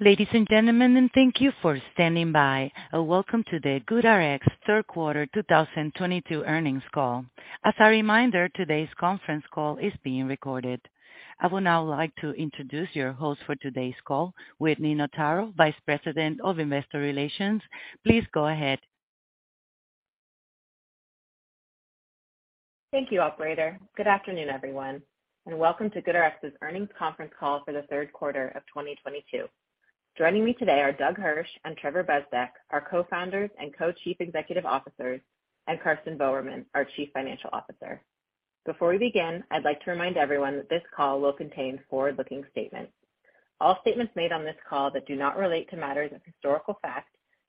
Ladies and gentlemen, thank you for standing by. Welcome to the GoodRx third quarter 2022 earnings call. As a reminder, today's conference call is being recorded. I would now like to introduce your host for today's call, Whitney Notaro, Vice President of Investor Relations. Please go ahead. Thank you, operator. Good afternoon, everyone, and welcome to GoodRx's earnings conference call for the third quarter of 2022. Joining me today are Doug Hirsch and Trevor Bezdek, our Co-founders and Co-chief Executive Officers, and Karsten Voermann, our Chief Financial Officer. Before we begin, I'd like to remind everyone that this call will contain forward-looking statements. All statements made on this call that do not relate to matters of historical fact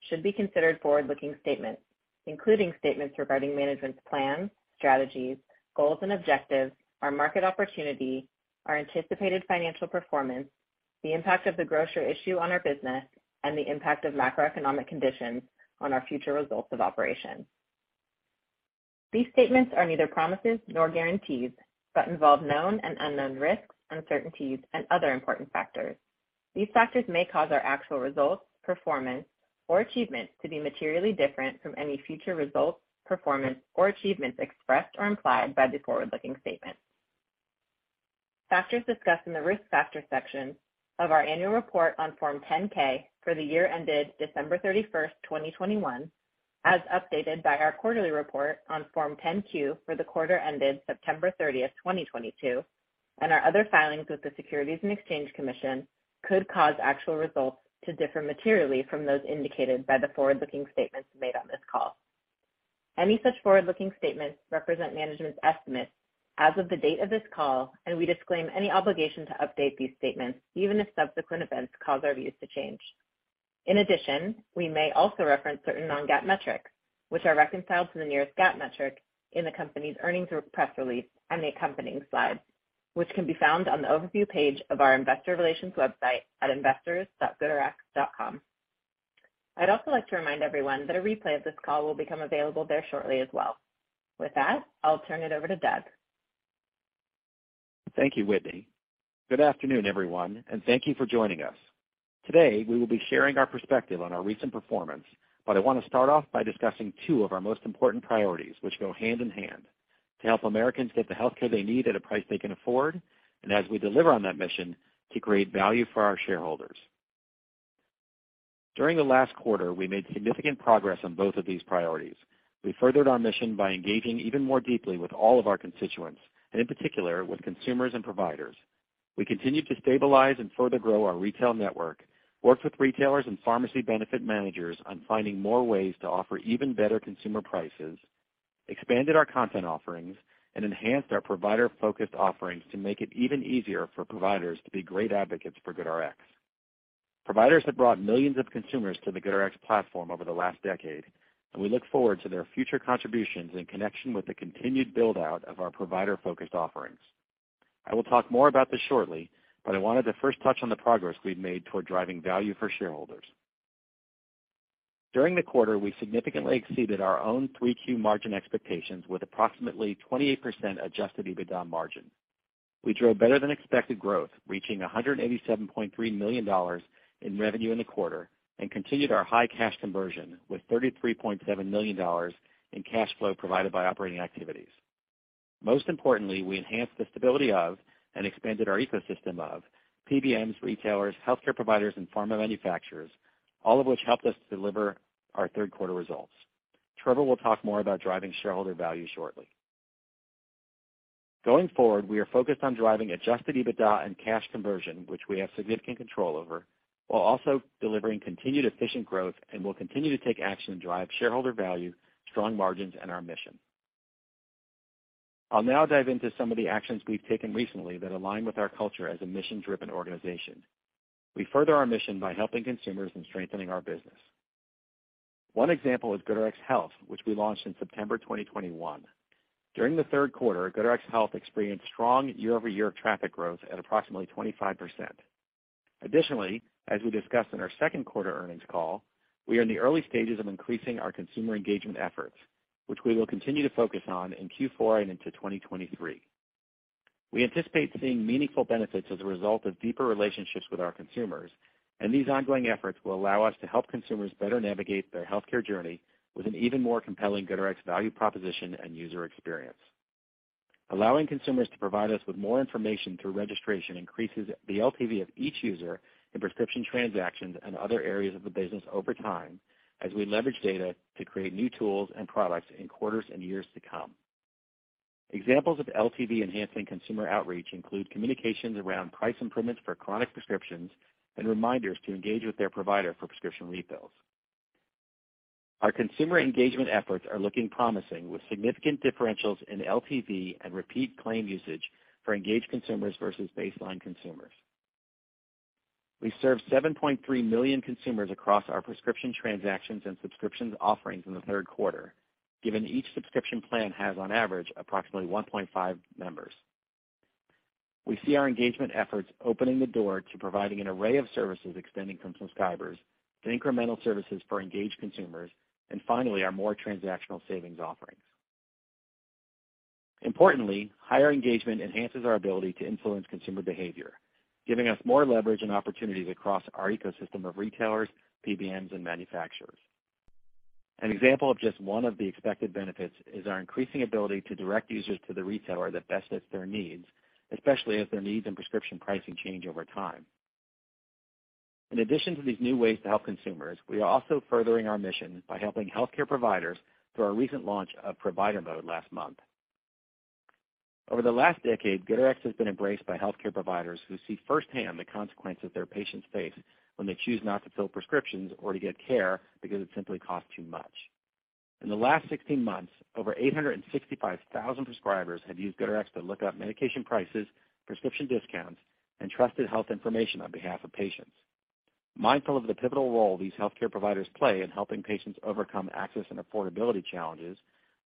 should be considered forward-looking statements, including statements regarding management's plans, strategies, goals, and objectives, our market opportunity, our anticipated financial performance, the impact of the grocery issue on our business, and the impact of macroeconomic conditions on our future results of operations. These statements are neither promises nor guarantees, but involve known and unknown risks, uncertainties, and other important factors. These factors may cause our actual results, performance, or achievements to be materially different from any future results, performance, or achievements expressed or implied by the forward-looking statements. Factors discussed in the Risk Factors section of our annual report on Form 10-K for the year ended December 31st, 2021, as updated by our quarterly report on Form 10-Q for the quarter ended September 30th, 2022, and our other filings with the Securities and Exchange Commission, could cause actual results to differ materially from those indicated by the forward-looking statements made on this call. Any such forward-looking statements represent management's estimates as of the date of this call, and we disclaim any obligation to update these statements, even if subsequent events cause our views to change. In addition, we may also reference certain non-GAAP metrics, which are reconciled to the nearest GAAP metric in the company's earnings press release and the accompanying slides, which can be found on the overview page of our investor relations website at investors.goodrx.com. I'd also like to remind everyone that a replay of this call will become available there shortly as well. With that, I'll turn it over to Doug. Thank you, Whitney. Good afternoon, everyone, and thank you for joining us. Today, we will be sharing our perspective on our recent performance, but I want to start off by discussing two of our most important priorities, which go hand in hand: to help Americans get the healthcare they need at a price they can afford, and as we deliver on that mission, to create value for our shareholders. During the last quarter, we made significant progress on both of these priorities. We furthered our mission by engaging even more deeply with all of our constituents, and in particular, with consumers and providers. We continued to stabilize and further grow our retail network, worked with retailers and pharmacy benefit managers on finding more ways to offer even better consumer prices, expanded our content offerings, and enhanced our provider-focused offerings to make it even easier for providers to be great advocates for GoodRx. Providers have brought millions of consumers to the GoodRx platform over the last decade, and we look forward to their future contributions in connection with the continued build-out of our provider-focused offerings. I will talk more about this shortly, but I wanted to first touch on the progress we've made toward driving value for shareholders. During the quarter, we significantly exceeded our own 3Q margin expectations with approximately 28% adjusted EBITDA margin. We drove better-than-expected growth, reaching $187.3 million in revenue in the quarter, and continued our high cash conversion, with $33.7 million in cash flow provided by operating activities. Most importantly, we enhanced the stability of and expanded our ecosystem of PBMs, retailers, healthcare providers, and pharma manufacturers, all of which helped us to deliver our third quarter results. Trevor will talk more about driving shareholder value shortly. Going forward, we are focused on driving adjusted EBITDA and cash conversion, which we have significant control over, while also delivering continued efficient growth and will continue to take action to drive shareholder value, strong margins, and our mission. I'll now dive into some of the actions we've taken recently that align with our culture as a mission-driven organization. We further our mission by helping consumers and strengthening our business. One example is GoodRx Health, which we launched in September 2021. During the third quarter, GoodRx Health experienced strong year-over-year traffic growth at approximately 25%. Additionally, as we discussed in our second quarter earnings call, we are in the early stages of increasing our consumer engagement efforts, which we will continue to focus on in Q4 and into 2023. We anticipate seeing meaningful benefits as a result of deeper relationships with our consumers, and these ongoing efforts will allow us to help consumers better navigate their healthcare journey with an even more compelling GoodRx value proposition and user experience. Allowing consumers to provide us with more information through registration increases the LTV of each user in prescription transactions and other areas of the business over time, as we leverage data to create new tools and products in quarters and years to come. Examples of LTV-enhancing consumer outreach include communications around price improvements for chronic prescriptions and reminders to engage with their provider for prescription refills. Our consumer engagement efforts are looking promising, with significant differentials in LTV and repeat claim usage for engaged consumers versus baseline consumers. We served 7.3 million consumers across our prescription transactions and subscriptions offerings in the third quarter, given each subscription plan has, on average, approximately 1.5 members. We see our engagement efforts opening the door to providing an array of services extending from subscribers to incremental services for engaged consumers. Finally, our more transactional savings offerings. Importantly, higher engagement enhances our ability to influence consumer behavior, giving us more leverage and opportunities across our ecosystem of retailers, PBMs, and manufacturers. An example of just one of the expected benefits is our increasing ability to direct users to the retailer that best fits their needs, especially as their needs and prescription pricing change over time. In addition to these new ways to help consumers, we are also furthering our mission by helping healthcare providers through our recent launch of Provider Mode last month. Over the last decade, GoodRx has been embraced by healthcare providers who see firsthand the consequences their patients face when they choose not to fill prescriptions or to get care because it simply costs too much. In the last 16 months, over 865,000 prescribers have used GoodRx to look up medication prices, prescription discounts, and trusted health information on behalf of patients. Mindful of the pivotal role these healthcare providers play in helping patients overcome access and affordability challenges,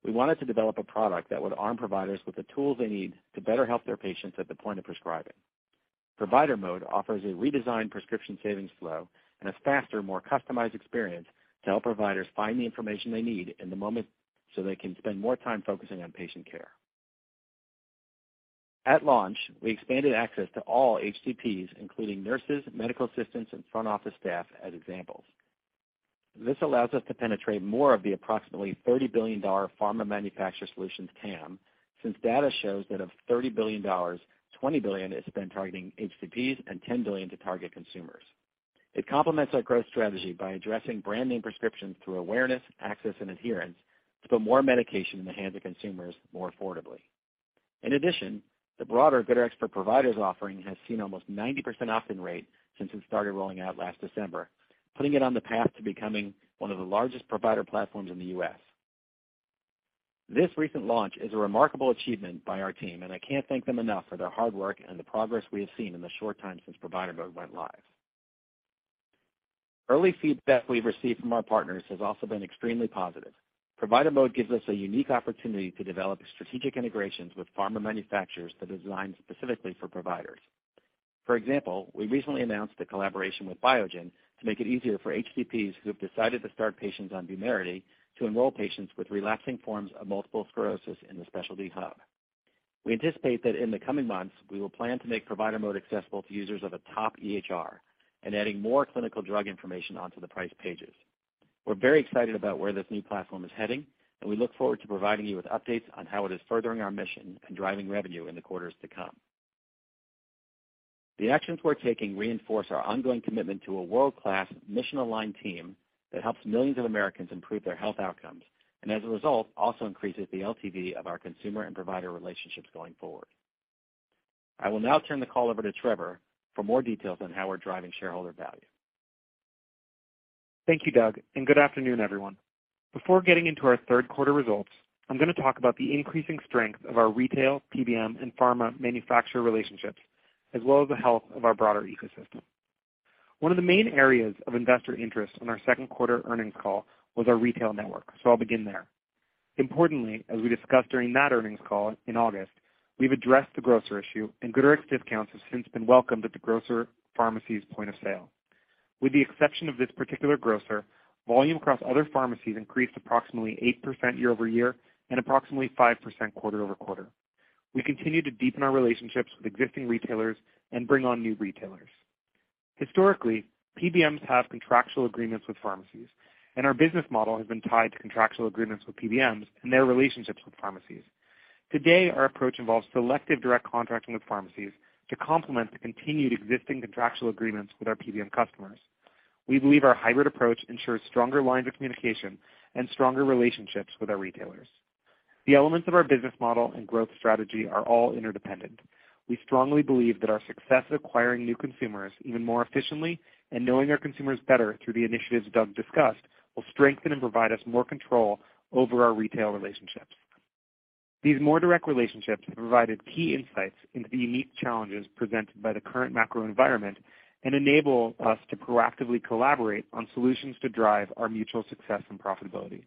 we wanted to develop a product that would arm providers with the tools they need to better help their patients at the point of prescribing. Provider Mode offers a redesigned prescription savings flow and a faster, more customized experience to help providers find the information they need in the moment. They can spend more time focusing on patient care. At launch, we expanded access to all HCPs, including nurses, medical assistants, and front office staff, as examples. This allows us to penetrate more of the approximately $30 billion pharma manufacturer solutions TAM, since data shows that of $30 billion, $20 billion is spent targeting HCPs and $10 billion to target consumers. It complements our growth strategy by addressing brand name prescriptions through awareness, access, and adherence to put more medication in the hands of consumers more affordably. In addition, the broader GoodRx for Providers offering has seen almost 90% opt-in rate since it started rolling out last December, putting it on the path to becoming one of the largest provider platforms in the U.S. This recent launch is a remarkable achievement by our team. I can't thank them enough for their hard work and the progress we have seen in the short time since Provider Mode went live. Early feedback we've received from our partners has also been extremely positive. Provider Mode gives us a unique opportunity to develop strategic integrations with pharma manufacturers that are designed specifically for providers. For example, we recently announced a collaboration with Biogen to make it easier for HCPs who have decided to start patients on Vumerity to enroll patients with relapsing forms of multiple sclerosis in the specialty hub. We anticipate that in the coming months, we will plan to make Provider Mode accessible to users of a top EHR and adding more clinical drug information onto the price pages. We're very excited about where this new platform is heading. We look forward to providing you with updates on how it is furthering our mission and driving revenue in the quarters to come. The actions we're taking reinforce our ongoing commitment to a world-class, mission-aligned team that helps millions of Americans improve their health outcomes, and as a result, also increases the LTV of our consumer and provider relationships going forward. I will now turn the call over to Trevor for more details on how we're driving shareholder value. Thank you, Doug, and good afternoon, everyone. Before getting into our third quarter results, I'm going to talk about the increasing strength of our retail, PBM, and pharma manufacturer relationships, as well as the health of our broader ecosystem. One of the main areas of investor interest on our second quarter earnings call was our retail network. I'll begin there. Importantly, as we discussed during that earnings call in August, we've addressed the grocer issue, and GoodRx discounts have since been welcomed at the grocer pharmacy's point of sale. With the exception of this particular grocer, volume across other pharmacies increased approximately 8% year-over-year and approximately 5% quarter-over-quarter. We continue to deepen our relationships with existing retailers and bring on new retailers. Historically, PBMs have contractual agreements with pharmacies. Our business model has been tied to contractual agreements with PBMs and their relationships with pharmacies. Today, our approach involves selective direct contracting with pharmacies to complement the continued existing contractual agreements with our PBM customers. We believe our hybrid approach ensures stronger lines of communication and stronger relationships with our retailers. The elements of our business model and growth strategy are all interdependent. We strongly believe that our success acquiring new consumers even more efficiently and knowing our consumers better through the initiatives Doug discussed, will strengthen and provide us more control over our retail relationships. These more direct relationships have provided key insights into the unique challenges presented by the current macro environment and enable us to proactively collaborate on solutions to drive our mutual success and profitability.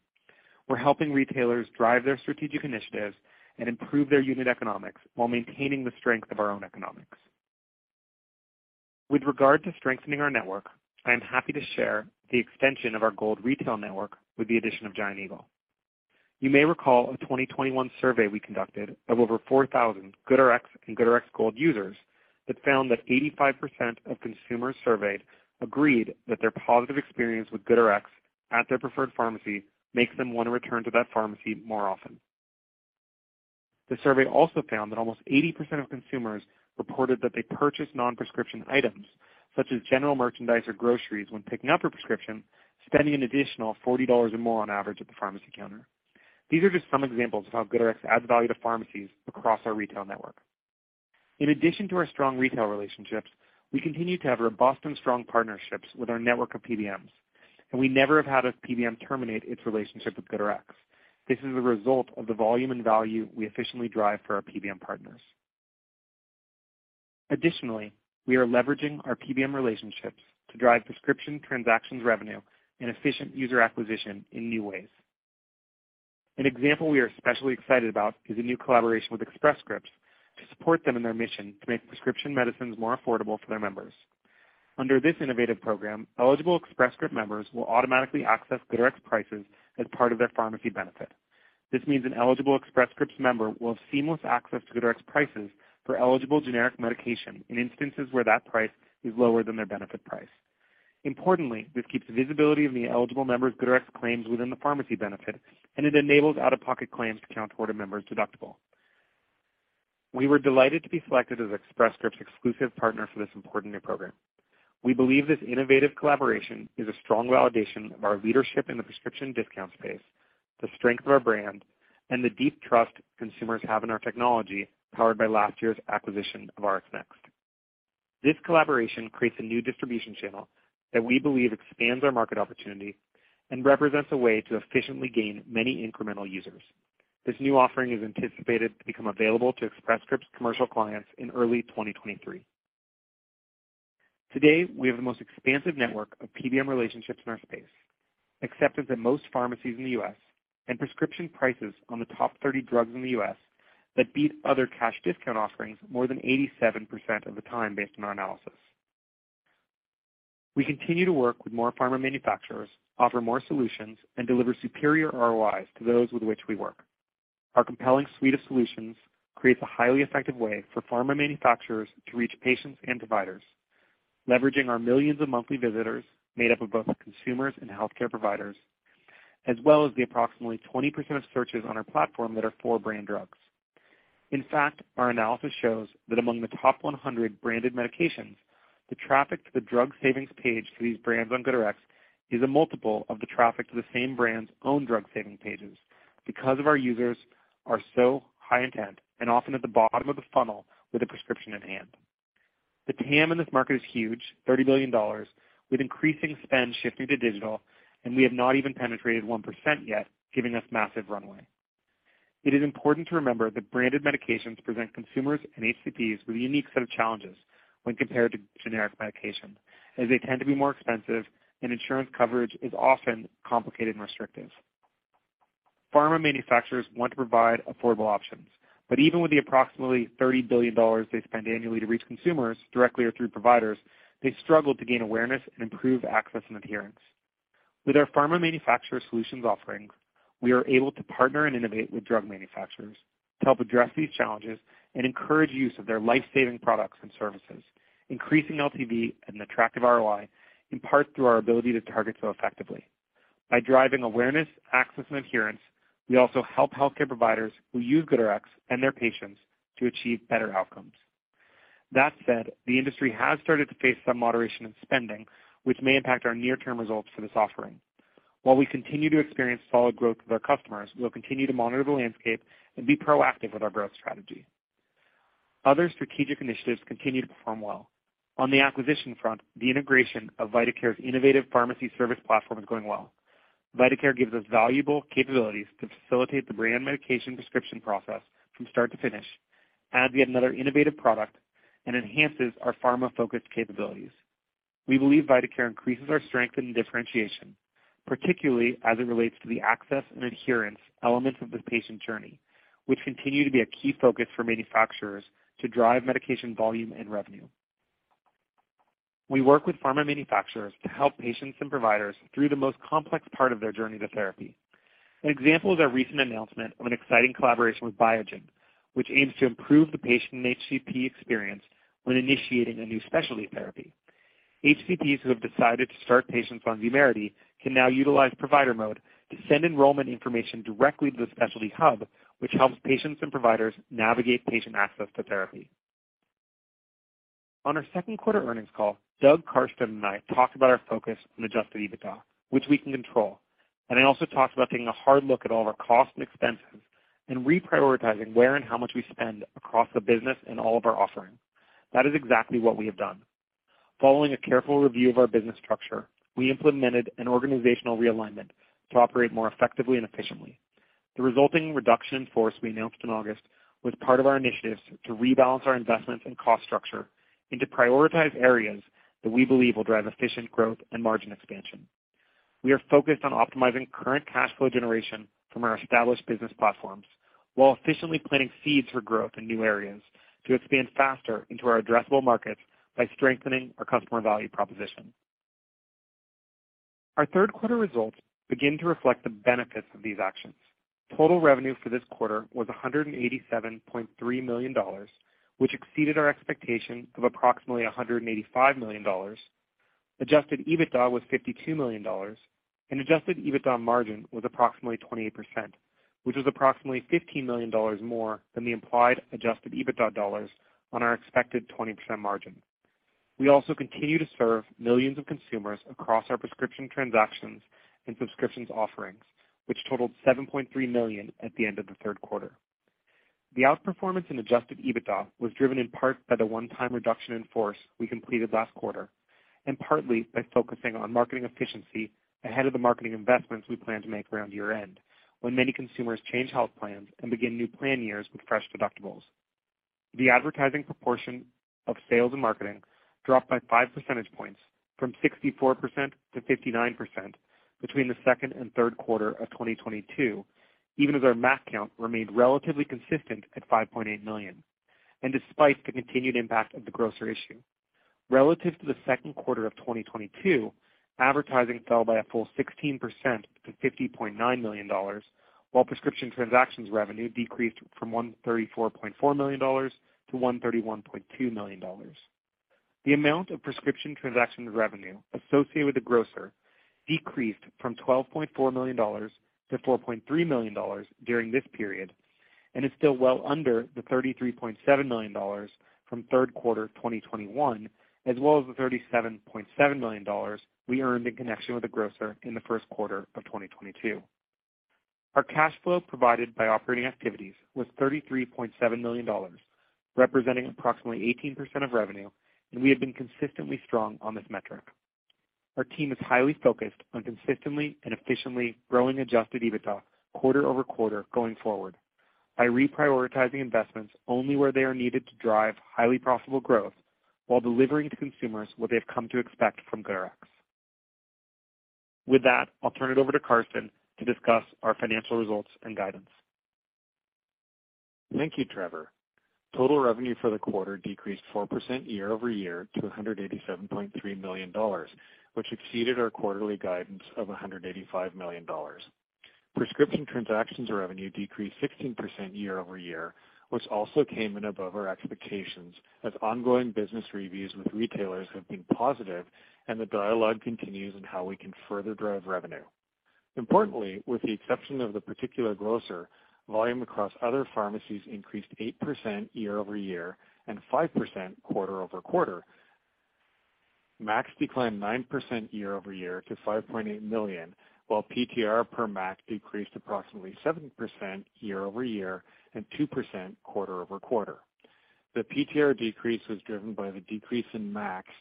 We're helping retailers drive their strategic initiatives and improve their unit economics while maintaining the strength of our own economics. With regard to strengthening our network, I am happy to share the extension of our Gold retail network with the addition of Giant Eagle. You may recall a 2021 survey we conducted of over 4,000 GoodRx and GoodRx Gold users that found that 85% of consumers surveyed agreed that their positive experience with GoodRx at their preferred pharmacy makes them want to return to that pharmacy more often. The survey also found that almost 80% of consumers reported that they purchased non-prescription items such as general merchandise or groceries when picking up a prescription, spending an additional $40 or more on average at the pharmacy counter. These are just some examples of how GoodRx adds value to pharmacies across our retail network. In addition to our strong retail relationships, we continue to have robust and strong partnerships with our network of PBMs, we never have had a PBM terminate its relationship with GoodRx. This is a result of the volume and value we efficiently drive for our PBM partners. We are leveraging our PBM relationships to drive prescription transactions revenue and efficient user acquisition in new ways. An example we are especially excited about is a new collaboration with Express Scripts to support them in their mission to make prescription medicines more affordable for their members. Under this innovative program, eligible Express Scripts members will automatically access GoodRx prices as part of their pharmacy benefit. This means an eligible Express Scripts member will have seamless access to GoodRx prices for eligible generic medication in instances where that price is lower than their benefit price. Importantly, this keeps the visibility of the eligible member's GoodRx claims within the pharmacy benefit, it enables out-of-pocket claims to count toward a member's deductible. We were delighted to be selected as Express Scripts exclusive partner for this important new program. We believe this innovative collaboration is a strong validation of our leadership in the prescription discount space, the strength of our brand, and the deep trust consumers have in our technology, powered by last year's acquisition of RxSaver. This collaboration creates a new distribution channel that we believe expands our market opportunity and represents a way to efficiently gain many incremental users. This new offering is anticipated to become available to Express Scripts commercial clients in early 2023. Today, we have the most expansive network of PBM relationships in our space, accepted at most pharmacies in the U.S., prescription prices on the top 30 drugs in the U.S. that beat other cash discount offerings more than 87% of the time, based on our analysis. We continue to work with more pharma manufacturers, offer more solutions, deliver superior ROIs to those with which we work. Our compelling suite of solutions creates a highly effective way for pharma manufacturers to reach patients and providers, leveraging our millions of monthly visitors, made up of both consumers and healthcare providers, as well as the approximately 20% of searches on our platform that are for brand drugs. In fact, our analysis shows that among the top 100 branded medications, the traffic to the drug savings page for these brands on GoodRx is a multiple of the traffic to the same brand's own drug saving pages because of our users are so high intent and often at the bottom of the funnel with a prescription in hand. The TAM in this market is huge, $30 billion, with increasing spend shifting to digital, we have not even penetrated 1% yet, giving us massive runway. It is important to remember that branded medications present consumers and HCPs with a unique set of challenges when compared to generic medications, as they tend to be more expensive and insurance coverage is often complicated and restrictive. Pharma manufacturers want to provide affordable options, even with the approximately $30 billion they spend annually to reach consumers directly or through providers, they struggle to gain awareness and improve access and adherence. With our pharma manufacturer solutions offerings, we are able to partner and innovate with drug manufacturers to help address these challenges and encourage use of their life-saving products and services, increasing LTV and attractive ROI, in part through our ability to target so effectively. By driving awareness, access, and adherence, we also help healthcare providers who use GoodRx and their patients to achieve better outcomes. That said, the industry has started to face some moderation in spending, which may impact our near-term results for this offering. While we continue to experience solid growth with our customers, we'll continue to monitor the landscape and be proactive with our growth strategy. Other strategic initiatives continue to perform well. On the acquisition front, the integration of vitaCare's innovative pharmacy service platform is going well. vitaCare gives us valuable capabilities to facilitate the brand medication prescription process from start to finish, adds yet another innovative product, and enhances our pharma-focused capabilities. We believe vitaCare increases our strength and differentiation, particularly as it relates to the access and adherence elements of the patient journey, which continue to be a key focus for manufacturers to drive medication volume and revenue. We work with pharma manufacturers to help patients and providers through the most complex part of their journey to therapy. An example is our recent announcement of an exciting collaboration with Biogen, which aims to improve the patient and HCP experience when initiating a new specialty therapy. HCPs who have decided to start patients on Vumerity can now utilize Provider Mode to send enrollment information directly to the specialty hub, which helps patients and providers navigate patient access to therapy. On our second quarter earnings call, Doug Karsten and I talked about our focus on adjusted EBITDA, which we can control. I also talked about taking a hard look at all of our costs and expenses and reprioritizing where and how much we spend across the business and all of our offerings. That is exactly what we have done. Following a careful review of our business structure, we implemented an organizational realignment to operate more effectively and efficiently. The resulting reduction in force we announced in August was part of our initiatives to rebalance our investments and cost structure and to prioritize areas that we believe will drive efficient growth and margin expansion. We are focused on optimizing current cash flow generation from our established business platforms while efficiently planting seeds for growth in new areas to expand faster into our addressable markets by strengthening our customer value proposition. Our third quarter results begin to reflect the benefits of these actions. Total revenue for this quarter was $187.3 million, which exceeded our expectation of approximately $185 million. Adjusted EBITDA was $52 million, and adjusted EBITDA margin was approximately 28%, which was approximately $15 million more than the implied adjusted EBITDA dollars on our expected 20% margin. We also continue to serve millions of consumers across our prescription transactions and subscriptions offerings, which totaled 7.3 million at the end of the third quarter. The outperformance in adjusted EBITDA was driven in part by the one-time reduction in force we completed last quarter, and partly by focusing on marketing efficiency ahead of the marketing investments we plan to make around year-end, when many consumers change health plans and begin new plan years with fresh deductibles. The advertising proportion of sales and marketing dropped by five percentage points from 64% to 59% between the second and third quarter of 2022, even as our MACs count remained relatively consistent at 5.8 million, and despite the continued impact of the grocer issue. Relative to the second quarter of 2022, advertising fell by a full 16% to $50.9 million, while prescription transactions revenue decreased from $134.4 million to $131.2 million. The amount of prescription transactions revenue associated with the grocer decreased from $12.4 million to $4.3 million during this period, and is still well under the $33.7 million from third quarter 2021, as well as the $37.7 million we earned in connection with the grocer in the first quarter of 2022. Our cash flow provided by operating activities was $33.7 million, representing approximately 18% of revenue, and we have been consistently strong on this metric. Our team is highly focused on consistently and efficiently growing adjusted EBITDA quarter-over-quarter going forward by reprioritizing investments only where they are needed to drive highly profitable growth while delivering to consumers what they've come to expect from GoodRx. With that, I'll turn it over to Karsten to discuss our financial results and guidance. Thank you, Trevor. Total revenue for the quarter decreased 4% year-over-year to $187.3 million, which exceeded our quarterly guidance of $185 million. Prescription transactions revenue decreased 16% year-over-year, which also came in above our expectations as ongoing business reviews with retailers have been positive and the dialogue continues on how we can further drive revenue. Importantly, with the exception of the particular grocer, volume across other pharmacies increased 8% year-over-year and 5% quarter-over-quarter. MACs declined 9% year-over-year to 5.8 million, while PTR per MACs decreased approximately 7% year-over-year and 2% quarter-over-quarter. The PTR decrease was driven by the decrease in MACs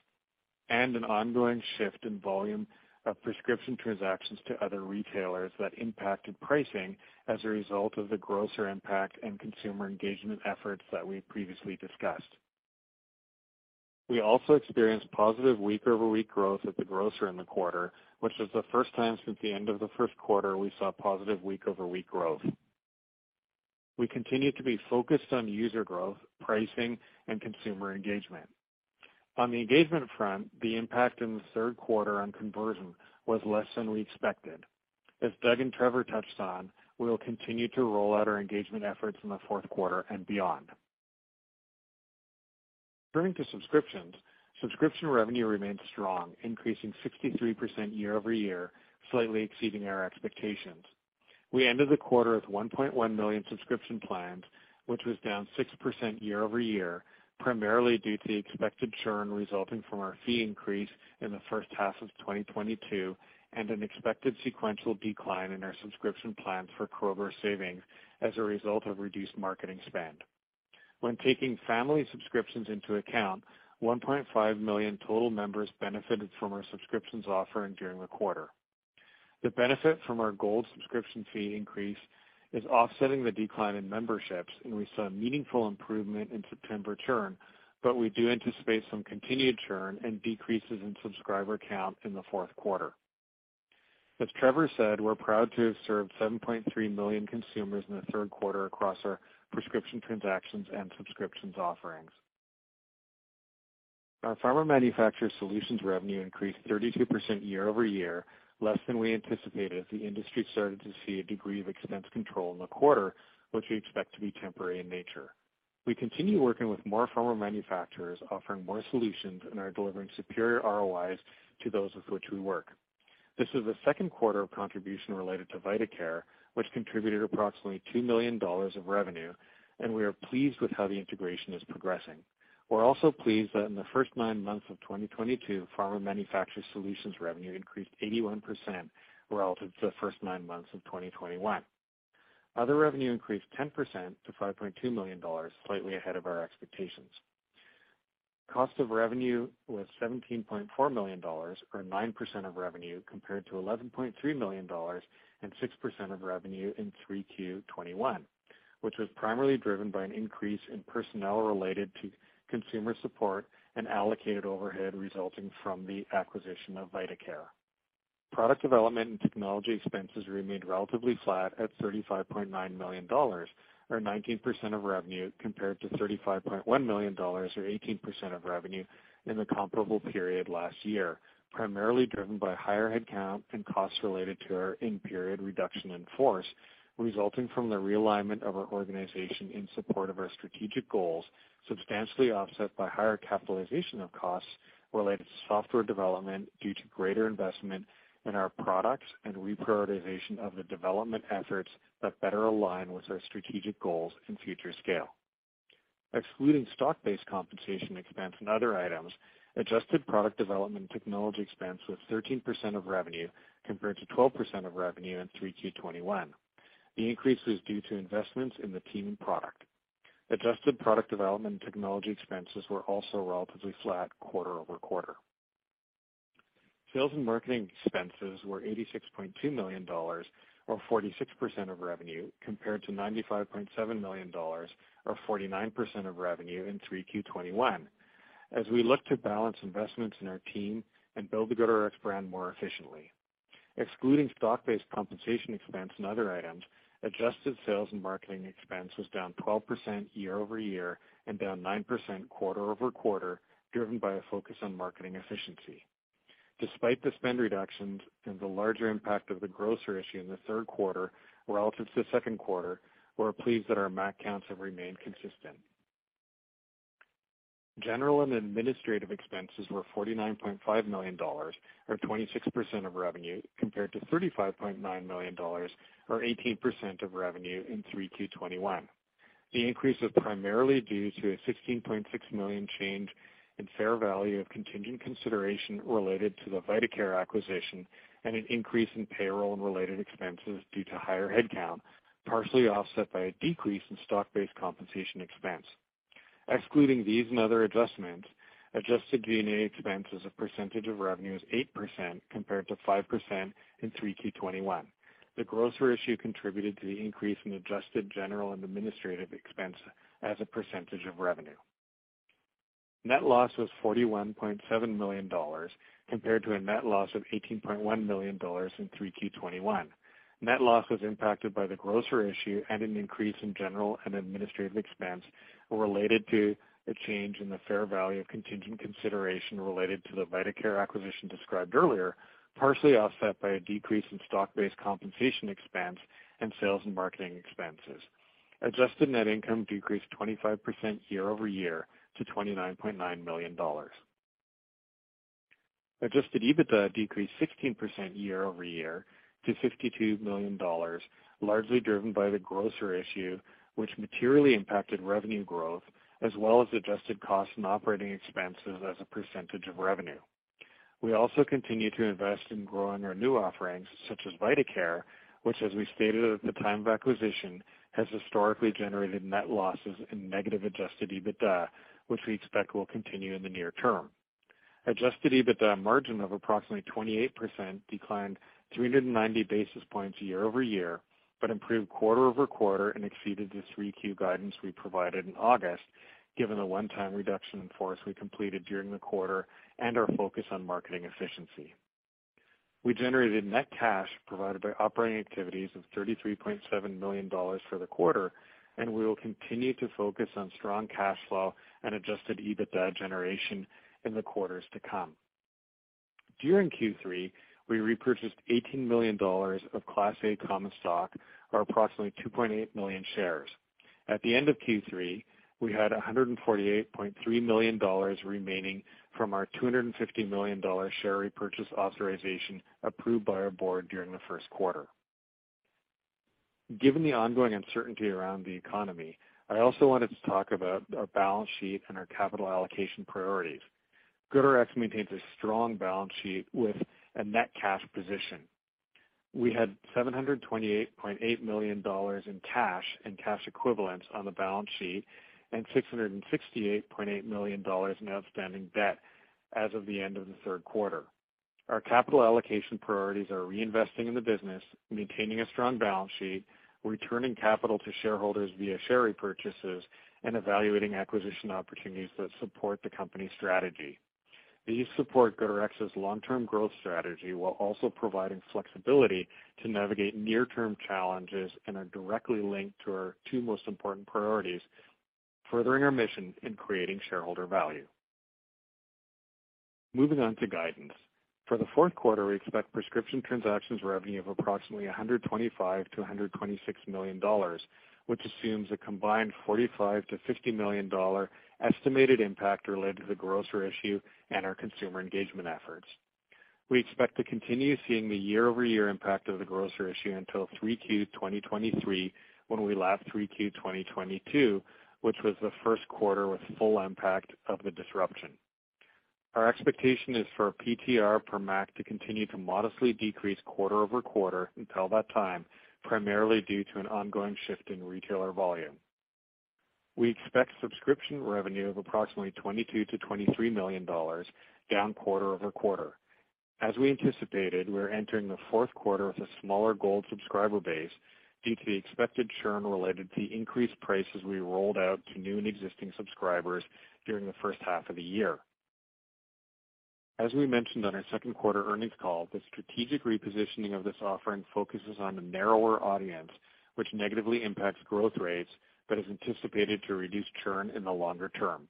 and an ongoing shift in volume of prescription transactions to other retailers that impacted pricing as a result of the grocer impact and consumer engagement efforts that we previously discussed. We also experienced positive week-over-week growth at the grocer in the quarter, which was the first time since the end of the first quarter we saw positive week-over-week growth. We continue to be focused on user growth, pricing, and consumer engagement. On the engagement front, the impact in the third quarter on conversion was less than we expected. As Doug and Trevor touched on, we will continue to roll out our engagement efforts in the fourth quarter and beyond. Turning to subscriptions, subscription revenue remained strong, increasing 63% year-over-year, slightly exceeding our expectations. We ended the quarter with 1.1 million subscription plans, which was down 6% year-over-year, primarily due to the expected churn resulting from our fee increase in the first half of 2022 and an expected sequential decline in our subscription plans for Kroger savings as a result of reduced marketing spend. When taking family subscriptions into account, 1.5 million total members benefited from our subscriptions offering during the quarter. The benefit from our GoodRx Gold subscription fee increase is offsetting the decline in memberships. We saw a meaningful improvement in September churn, but we do anticipate some continued churn and decreases in subscriber count in the fourth quarter. As Trevor said, we're proud to have served 7.3 million consumers in the third quarter across our prescription transactions and subscriptions offerings. Our pharma manufacturer solutions revenue increased 32% year-over-year, less than we anticipated as the industry started to see a degree of expense control in the quarter, which we expect to be temporary in nature. We continue working with more pharma manufacturers offering more solutions and are delivering superior ROIs to those with which we work. This is the second quarter of contribution related to vitaCare, which contributed approximately $2 million of revenue. We are pleased with how the integration is progressing. We're also pleased that in the first nine months of 2022, pharma manufacturer solutions revenue increased 81% relative to the first nine months of 2021. Other revenue increased 10% to $5.2 million, slightly ahead of our expectations. Cost of revenue was $17.4 million, or 9% of revenue, compared to $11.3 million and 6% of revenue in 3Q21, which was primarily driven by an increase in personnel related to consumer support and allocated overhead resulting from the acquisition of vitaCare. Product development and technology expenses remained relatively flat at $35.9 million, or 19% of revenue, compared to $35.1 million, or 18% of revenue, in the comparable period last year, primarily driven by higher headcount and costs related to our in-period reduction in force, resulting from the realignment of our organization in support of our strategic goals, substantially offset by higher capitalization of costs related to software development due to greater investment in our products and reprioritization of the development efforts that better align with our strategic goals and future scale. Excluding stock-based compensation expense and other items, adjusted product development and technology expense was 13% of revenue compared to 12% of revenue in 3Q21. The increase was due to investments in the team and product. Adjusted product development and technology expenses were also relatively flat quarter-over-quarter. Sales and marketing expenses were $86.2 million, or 46% of revenue, compared to $95.7 million, or 49% of revenue in 3Q21. As we look to balance investments in our team and build the GoodRx brand more efficiently. Excluding stock-based compensation expense and other items, adjusted sales and marketing expense was down 12% year-over-year and down 9% quarter-over-quarter, driven by a focus on marketing efficiency. Despite the spend reductions and the larger impact of the grocer issue in the third quarter relative to the second quarter, we're pleased that our MACs counts have remained consistent. General and administrative expenses were $49.5 million, or 26% of revenue, compared to $35.9 million, or 18% of revenue in 3Q21. The increase was primarily due to a $16.6 million change in fair value of contingent consideration related to the vitaCare acquisition and an increase in payroll and related expenses due to higher headcount, partially offset by a decrease in stock-based compensation expense. Excluding these and other adjustments, adjusted G&A expense as a percentage of revenue is 8%, compared to 5% in 3Q21. The grocer issue contributed to the increase in adjusted general and administrative expense as a percentage of revenue. Net loss was $41.7 million, compared to a net loss of $18.1 million in 3Q21. Net loss was impacted by the grocer issue and an increase in general and administrative expense related to a change in the fair value of contingent consideration related to the vitaCare acquisition described earlier, partially offset by a decrease in stock-based compensation expense and sales and marketing expenses. Adjusted net income decreased 25% year-over-year to $29.9 million. Adjusted EBITDA decreased 16% year-over-year to $52 million, largely driven by the grocer issue, which materially impacted revenue growth as well as adjusted costs and operating expenses as a percentage of revenue. We also continue to invest in growing our new offerings, such as vitaCare, which, as we stated at the time of acquisition, has historically generated net losses and negative adjusted EBITDA, which we expect will continue in the near term. Adjusted EBITDA margin of approximately 28% declined 390 basis points year-over-year, but improved quarter-over-quarter and exceeded the 3Q guidance we provided in August, given the one-time reduction in force we completed during the quarter and our focus on marketing efficiency. We generated net cash provided by operating activities of $33.7 million for the quarter. We will continue to focus on strong cash flow and adjusted EBITDA generation in the quarters to come. During Q3, we repurchased $18 million of Class A common stock, or approximately 2.8 million shares. At the end of Q3, we had $148.3 million remaining from our $250 million share repurchase authorization approved by our board during the first quarter. Given the ongoing uncertainty around the economy, I also wanted to talk about our balance sheet and our capital allocation priorities. GoodRx maintains a strong balance sheet with a net cash position. We had $728.8 million in cash and cash equivalents on the balance sheet and $668.8 million in outstanding debt as of the end of the third quarter. Our capital allocation priorities are reinvesting in the business, maintaining a strong balance sheet, returning capital to shareholders via share repurchases, and evaluating acquisition opportunities that support the company strategy. These support GoodRx's long-term growth strategy while also providing flexibility to navigate near-term challenges and are directly linked to our two most important priorities, furthering our mission and creating shareholder value. Moving on to guidance. For the fourth quarter, we expect prescription transactions revenue of approximately $125 million-$126 million, which assumes a combined $45 million-$50 million estimated impact related to the grocer issue and our consumer engagement efforts. We expect to continue seeing the year-over-year impact of the grocer issue until 3Q2023 when we lapped 3Q2022, which was the first quarter with full impact of the disruption. Our expectation is for PTR per MAC to continue to modestly decrease quarter-over-quarter until that time, primarily due to an ongoing shift in retailer volume. We expect subscription revenue of approximately $22 million to $23 million, down quarter-over-quarter. As we anticipated, we are entering the fourth quarter with a smaller GoodRx Gold subscriber base due to the expected churn related to the increased prices we rolled out to new and existing subscribers during the first half of the year. As we mentioned on our second quarter earnings call, the strategic repositioning of this offering focuses on a narrower audience, which negatively impacts growth rates but is anticipated to reduce churn in the longer term.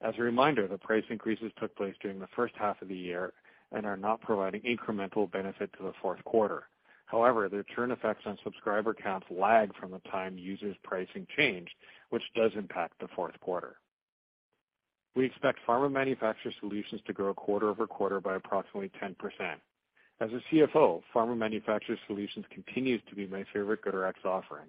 As a reminder, the price increases took place during the first half of the year and are not providing incremental benefit to the fourth quarter. The churn effects on subscriber counts lag from the time users' pricing changed, which does impact the fourth quarter. We expect Pharma Manufacturer Solutions to grow quarter-over-quarter by approximately 10%. As a CFO, Pharma Manufacturer Solutions continues to be my favorite GoodRx offering.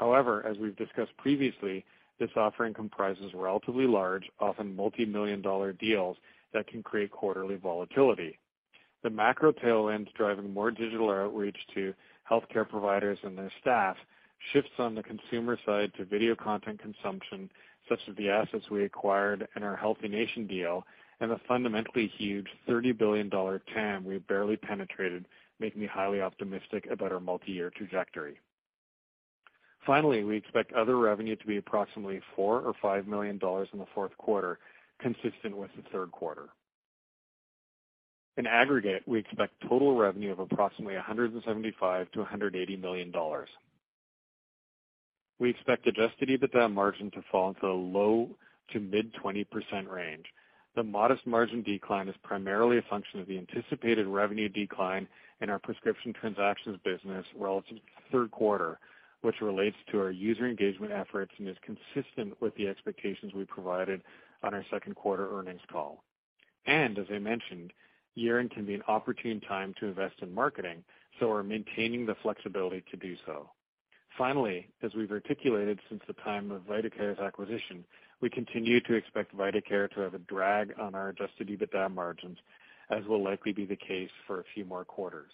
As we have discussed previously, this offering comprises relatively large, often multi-million dollar deals that can create quarterly volatility. The macro tailwinds driving more digital outreach to healthcare providers and their staff, shifts on the consumer side to video content consumption, such as the assets we acquired in our HealthiNation deal, and the fundamentally huge $30 billion TAM we have barely penetrated, make me highly optimistic about our multi-year trajectory. Finally, we expect other revenue to be approximately $4 million or $5 million in the fourth quarter, consistent with the third quarter. In aggregate, we expect total revenue of approximately $175 million to $180 million. We expect adjusted EBITDA margin to fall into the low to mid 20% range. The modest margin decline is primarily a function of the anticipated revenue decline in our prescription transactions business relative to the third quarter, which relates to our user engagement efforts and is consistent with the expectations we provided on our second quarter earnings call. As I mentioned, year-end can be an opportune time to invest in marketing, so we are maintaining the flexibility to do so. Finally, as we have articulated since the time of vitaCare's acquisition, we continue to expect vitaCare to have a drag on our adjusted EBITDA margins, as will likely be the case for a few more quarters.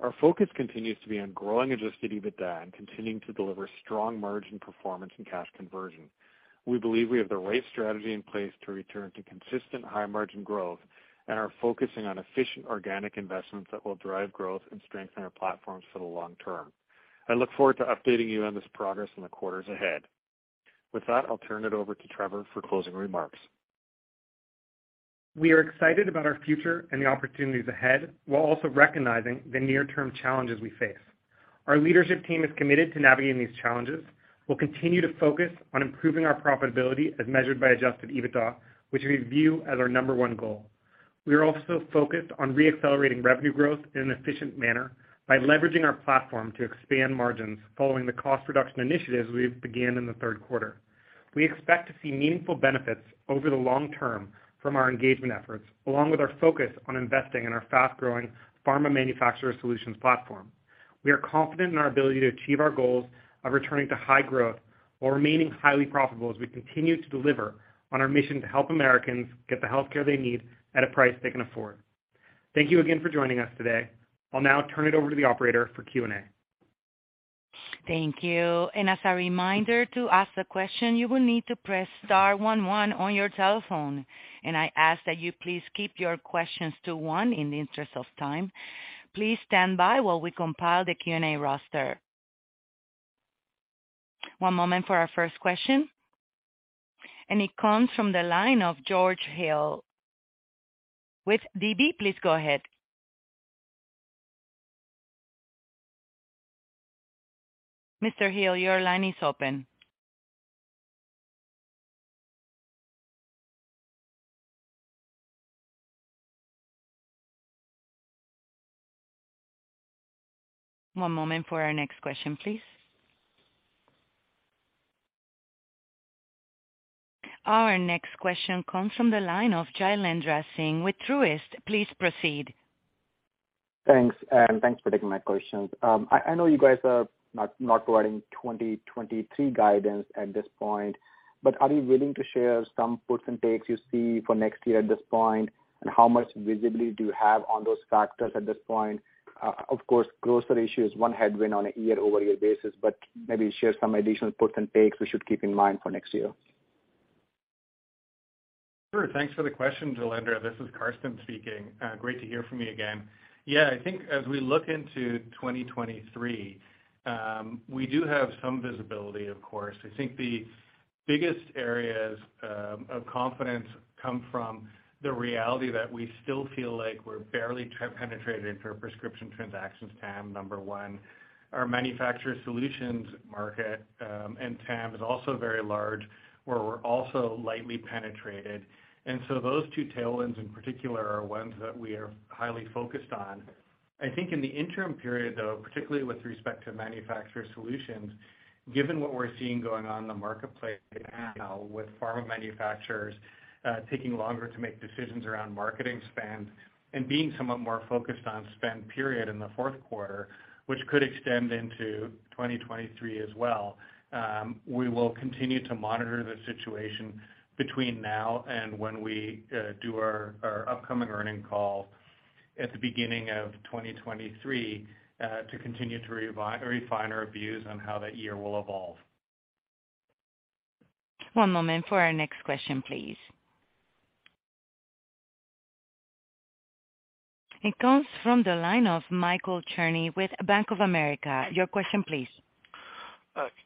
Our focus continues to be on growing adjusted EBITDA and continuing to deliver strong margin performance and cash conversion. We believe we have the right strategy in place to return to consistent high margin growth and are focusing on efficient organic investments that will drive growth and strengthen our platforms for the long term. I look forward to updating you on this progress in the quarters ahead. With that, I will turn it over to Trevor for closing remarks. We are excited about our future and the opportunities ahead, while also recognizing the near term challenges we face. Our leadership team is committed to navigating these challenges. We'll continue to focus on improving our profitability as measured by adjusted EBITDA, which we view as our number one goal. We are also focused on re-accelerating revenue growth in an efficient manner by leveraging our platform to expand margins following the cost reduction initiatives we began in the third quarter. We expect to see meaningful benefits over the long term from our engagement efforts, along with our focus on investing in our fast growing pharma manufacturer solutions platform. We are confident in our ability to achieve our goals of returning to high growth while remaining highly profitable, as we continue to deliver on our mission to help Americans get the healthcare they need at a price they can afford. Thank you again for joining us today. I'll now turn it over to the operator for Q&A. Thank you. As a reminder, to ask a question, you will need to press star one one on your telephone, and I ask that you please keep your questions to one in the interest of time. Please stand by while we compile the Q&A roster. One moment for our first question. It comes from the line of George Hill with DB. Please go ahead. Mr. Hill, your line is open. One moment for our next question, please. Our next question comes from the line of Jailendra Singh with Truist. Please proceed. Thanks for taking my questions. I know you guys are not providing 2023 guidance at this point, but are you willing to share some puts and takes you see for next year at this point? How much visibility do you have on those factors at this point? Of course, grocery issue is one headwind on a year-over-year basis, but maybe share some additional puts and takes we should keep in mind for next year. Sure. Thanks for the question, Jailendra Singh. This is Karsten speaking. Great to hear from you again. I think as we look into 2023, we do have some visibility, of course. I think the biggest areas of confidence come from the reality that we still feel like we're barely penetrated for prescription transactions TAM, number one. Our manufacturer solutions market and TAM is also very large, where we're also lightly penetrated. Those two tailwinds in particular are ones that we are highly focused on. I think in the interim period, though, particularly with respect to manufacturer solutions, given what we're seeing going on in the marketplace now with pharma manufacturers taking longer to make decisions around marketing spend and being somewhat more focused on spend period in the fourth quarter, which could extend into 2023 as well, we will continue to monitor the situation between now and when we do our upcoming earning call at the beginning of 2023 to continue to refine our views on how that year will evolve. One moment for our next question, please. It comes from the line of Michael Cherny with Bank of America. Your question please.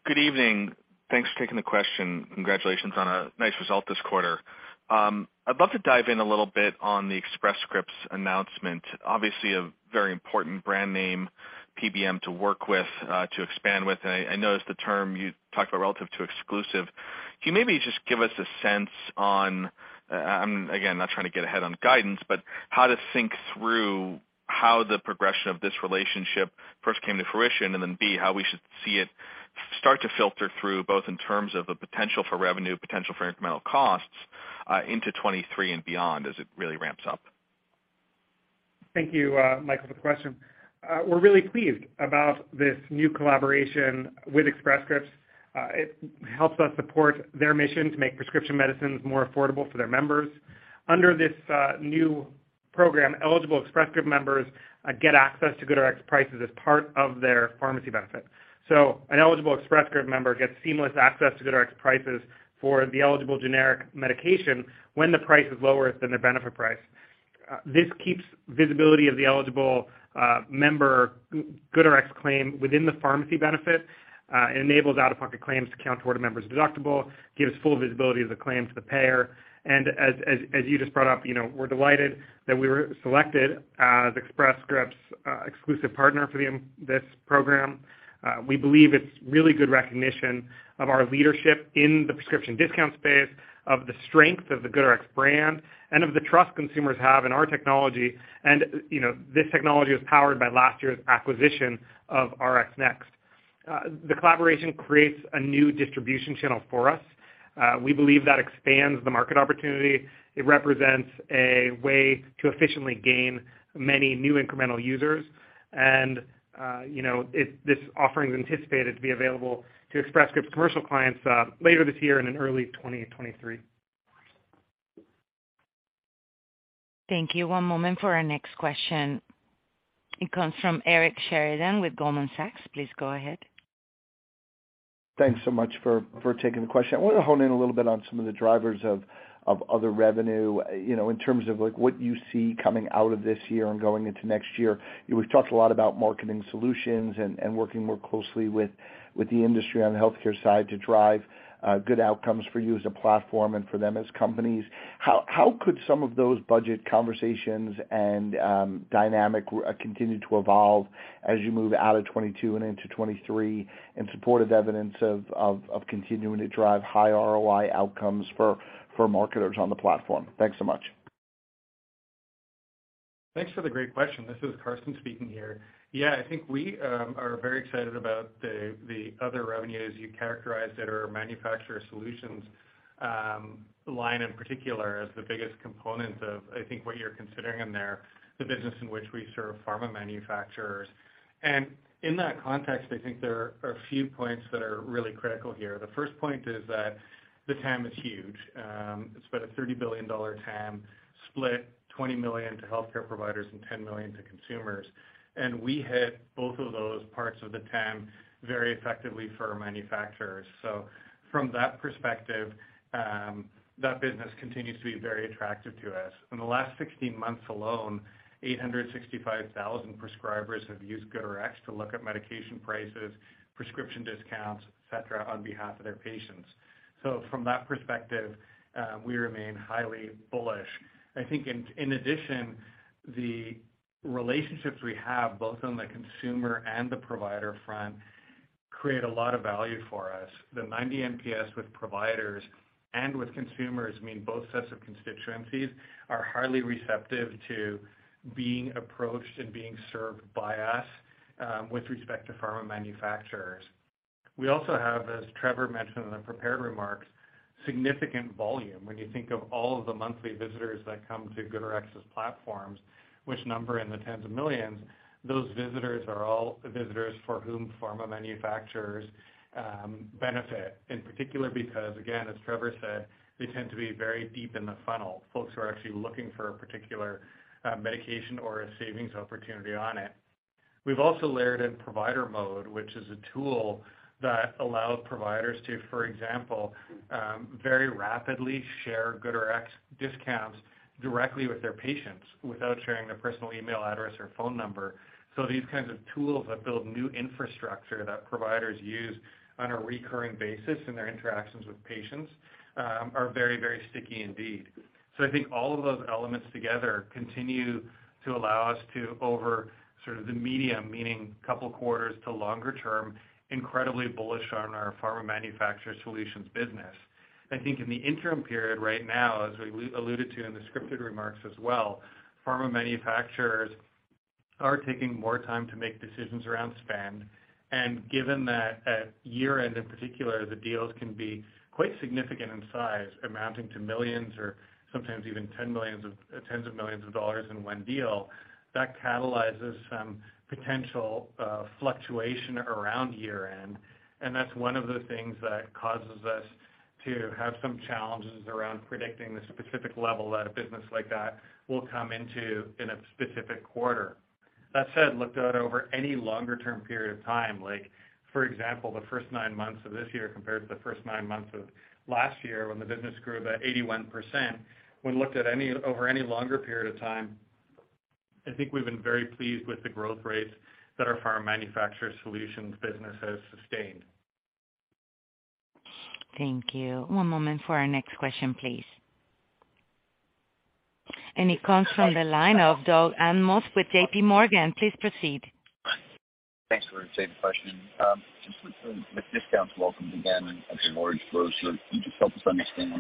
Good evening. Thanks for taking the question. Congratulations on a nice result this quarter. I'd love to dive in a little bit on the Express Scripts announcement. Obviously, a very important brand name PBM to work with, to expand with. I noticed the term you talked about relative to exclusive. Can you maybe just give us a sense on, again, not trying to get ahead on guidance, but how to think through how the progression of this relationship first came to fruition and then, B, how we should see it start to filter through, both in terms of the potential for revenue, potential for incremental costs, into 2023 and beyond as it really ramps up? Thank you, Michael, for the question. We're really pleased about this new collaboration with Express Scripts. It helps us support their mission to make prescription medicines more affordable for their members. Under this new program, eligible Express Scripts members get access to GoodRx prices as part of their pharmacy benefit. An eligible Express Scripts member gets seamless access to GoodRx prices for the eligible generic medication when the price is lower than their benefit price. This keeps visibility of the eligible member GoodRx claim within the pharmacy benefit, enables out-of-pocket claims to count toward a member's deductible, gives full visibility of the claim to the payer, and as you just brought up, we're delighted that we were selected as Express Scripts' exclusive partner for this program. We believe it's really good recognition of our leadership in the prescription discount space, of the strength of the GoodRx brand, and of the trust consumers have in our technology. This technology was powered by last year's acquisition of RxSaver. The collaboration creates a new distribution channel for us. We believe that expands the market opportunity. It represents a way to efficiently gain many new incremental users. This offering's anticipated to be available to Express Scripts commercial clients later this year and in early 2023. Thank you. One moment for our next question. It comes from Eric Sheridan with Goldman Sachs. Please go ahead. Thanks so much for taking the question. I want to hone in a little bit on some of the drivers of other revenue, in terms of what you see coming out of this year and going into next year. We've talked a lot about marketing solutions and working more closely with the industry on the healthcare side to drive good outcomes for you as a platform and for them as companies. How could some of those budget conversations and dynamic continue to evolve as you move out of 2022 and into 2023 in support of evidence of continuing to drive high ROI outcomes for marketers on the platform? Thanks so much. Thanks for the great question. This is Karsten speaking here. Yeah, I think we are very excited about the other revenues you characterized that our manufacturer solutions line in particular as the biggest component of, I think, what you're considering in there, the business in which we serve pharma manufacturers. In that context, I think there are a few points that are really critical here. The first point is that the TAM is huge. It is about a $30 billion TAM, split $20 million to healthcare providers and $10 million to consumers. We hit both of those parts of the TAM very effectively for our manufacturers. From that perspective, that business continues to be very attractive to us. In the last 16 months alone, 865,000 prescribers have used GoodRx to look up medication prices, prescription discounts, et cetera, on behalf of their patients. From that perspective, we remain highly bullish. I think in addition, the relationships we have, both on the consumer and the provider front, create a lot of value for us. The 90 NPS with providers and with consumers mean both sets of constituencies are highly receptive to being approached and being served by us, with respect to pharma manufacturers. We also have, as Trevor mentioned in the prepared remarks, significant volume. When you think of all of the monthly visitors that come to GoodRx's platforms, which number in the tens of millions, those visitors are all visitors for whom pharma manufacturers benefit. In particular because, again, as Trevor said, they tend to be very deep in the funnel, folks who are actually looking for a particular medication or a savings opportunity on it. We have also layered in Provider Mode, which is a tool that allows providers to, for example, very rapidly share GoodRx discounts directly with their patients without sharing their personal email address or phone number. These kinds of tools that build new infrastructure that providers use on a recurring basis in their interactions with patients, are very, very sticky indeed. I think all of those elements together continue to allow us to, over sort of the medium, meaning couple quarters to longer term, incredibly bullish on our pharma manufacturer solutions business. I think in the interim period right now, as we alluded to in the scripted remarks as well, pharma manufacturers are taking more time to make decisions around spend. Given that at year-end in particular, the deals can be quite significant in size, amounting to millions or sometimes even tens of millions of dollars in one deal, that catalyzes some potential fluctuation around year-end. That is one of the things that causes us to have some challenges around predicting the specific level that a business like that will come into in a specific quarter. That said, looked at over any longer term period of time, like for example, the first nine months of this year compared to the first nine months of last year, when the business grew by 81%, when looked at over any longer period of time, I think we have been very pleased with the growth rates that our pharma manufacturer solutions business has sustained. Thank you. One moment for our next question, please. It comes from the line of Doug Anmuth with JPMorgan. Please proceed. Thanks. Great. Thanks for taking the question. Just with discounts welcomed again at the grocer, can you just help us understand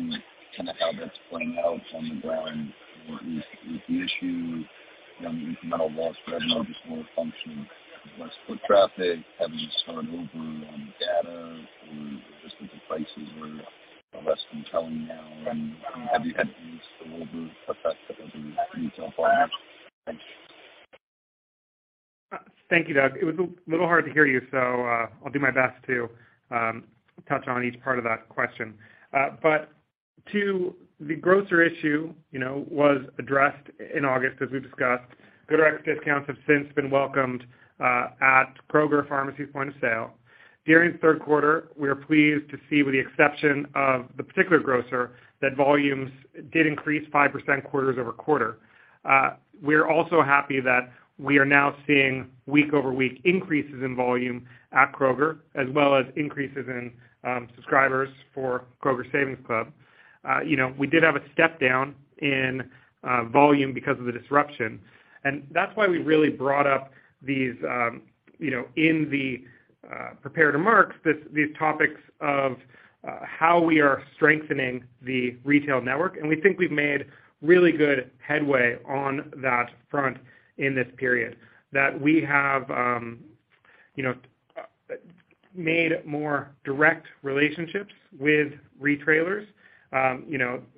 how that's playing out on the ground? What was the issue? The incremental loss perhaps more a function of less foot traffic, having to start over on data or just different prices where less compelling now? Have you had these sort of effects at the retail level? Thanks. Thank you, Doug. It was a little hard to hear you, so I'll do my best to touch on each part of that question. To the grocer issue, was addressed in August, as we've discussed. GoodRx discounts have since been welcomed at Kroger Pharmacy point of sale. During third quarter, we are pleased to see, with the exception of the particular grocer, that volumes did increase 5% quarter-over-quarter. We are also happy that we are now seeing week-over-week increases in volume at Kroger, as well as increases in subscribers for Kroger Savings Club. We did have a step down in volume because of the disruption, and that's why we really brought up these, in the prepared remarks, these topics of how we are strengthening the retail network. We think we've made really good headway on that front in this period. That we have made more direct relationships with retailers.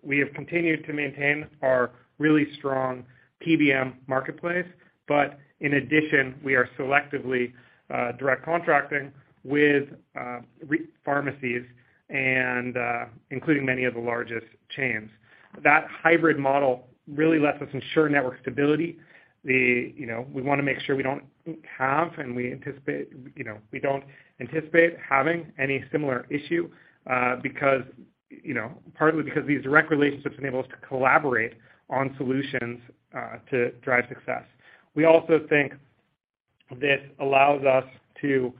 We have continued to maintain our really strong PBM marketplace. In addition, we are selectively direct contracting with pharmacies and including many of the largest chains. That hybrid model really lets us ensure network stability. We want to make sure we don't have, and we don't anticipate having any similar issue partly because these direct relationships enable us to collaborate on solutions, to drive success. We also think this allows us to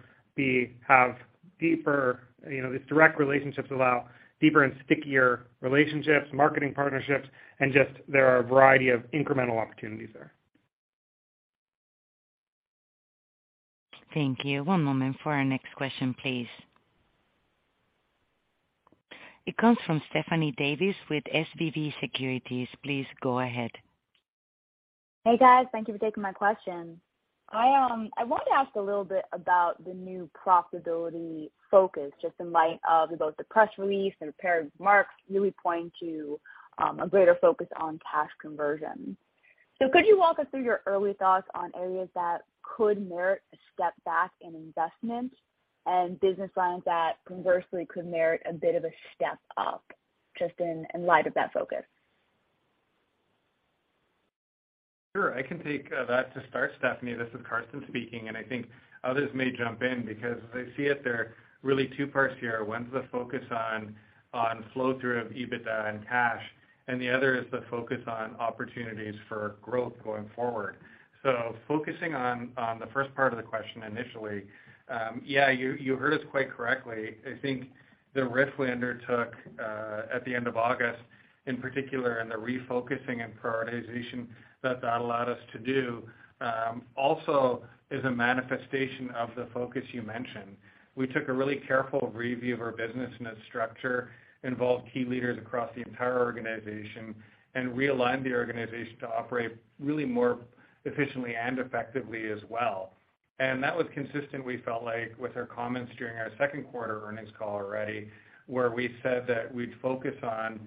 have deeper. These direct relationships allow deeper and stickier relationships, marketing partnerships, and just there are a variety of incremental opportunities there. Thank you. One moment for our next question, please. It comes from Stephanie with SVB Securities. Please go ahead. Hey, guys. Thank you for taking my question. I want to ask a little bit about the new profitability focus, just in light of both the press release and prepared remarks really pointing to a greater focus on cash conversion. Could you walk us through your early thoughts on areas that could merit a step back in investment and business lines that conversely could merit a bit of a step up, just in light of that focus? Sure. I can take that to start, Stephanie. This is Karsten speaking, and I think others may jump in because as I see it, there are really two parts here. One's the focus on flow-through of EBITDA and cash, and the other is the focus on opportunities for growth going forward. Focusing on the first part of the question initially, yeah, you heard us quite correctly. I think the rift we undertook, at the end of August, in particular, and the refocusing and prioritization that that allowed us to do, also is a manifestation of the focus you mentioned. We took a really careful review of our business and its structure, involved key leaders across the entire organization, and realigned the organization to operate really more efficiently and effectively as well. That was consistent, we felt like, with our comments during our second quarter earnings call already, where we said that we'd focus on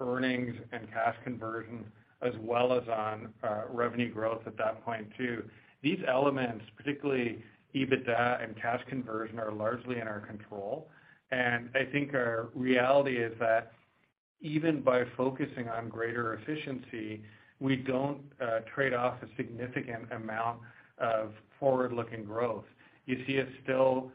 earnings and cash conversion as well as on revenue growth at that point, too. These elements, particularly EBITDA and cash conversion, are largely in our control. I think our reality is that even by focusing on greater efficiency, we don't trade off a significant amount of forward-looking growth. You see us still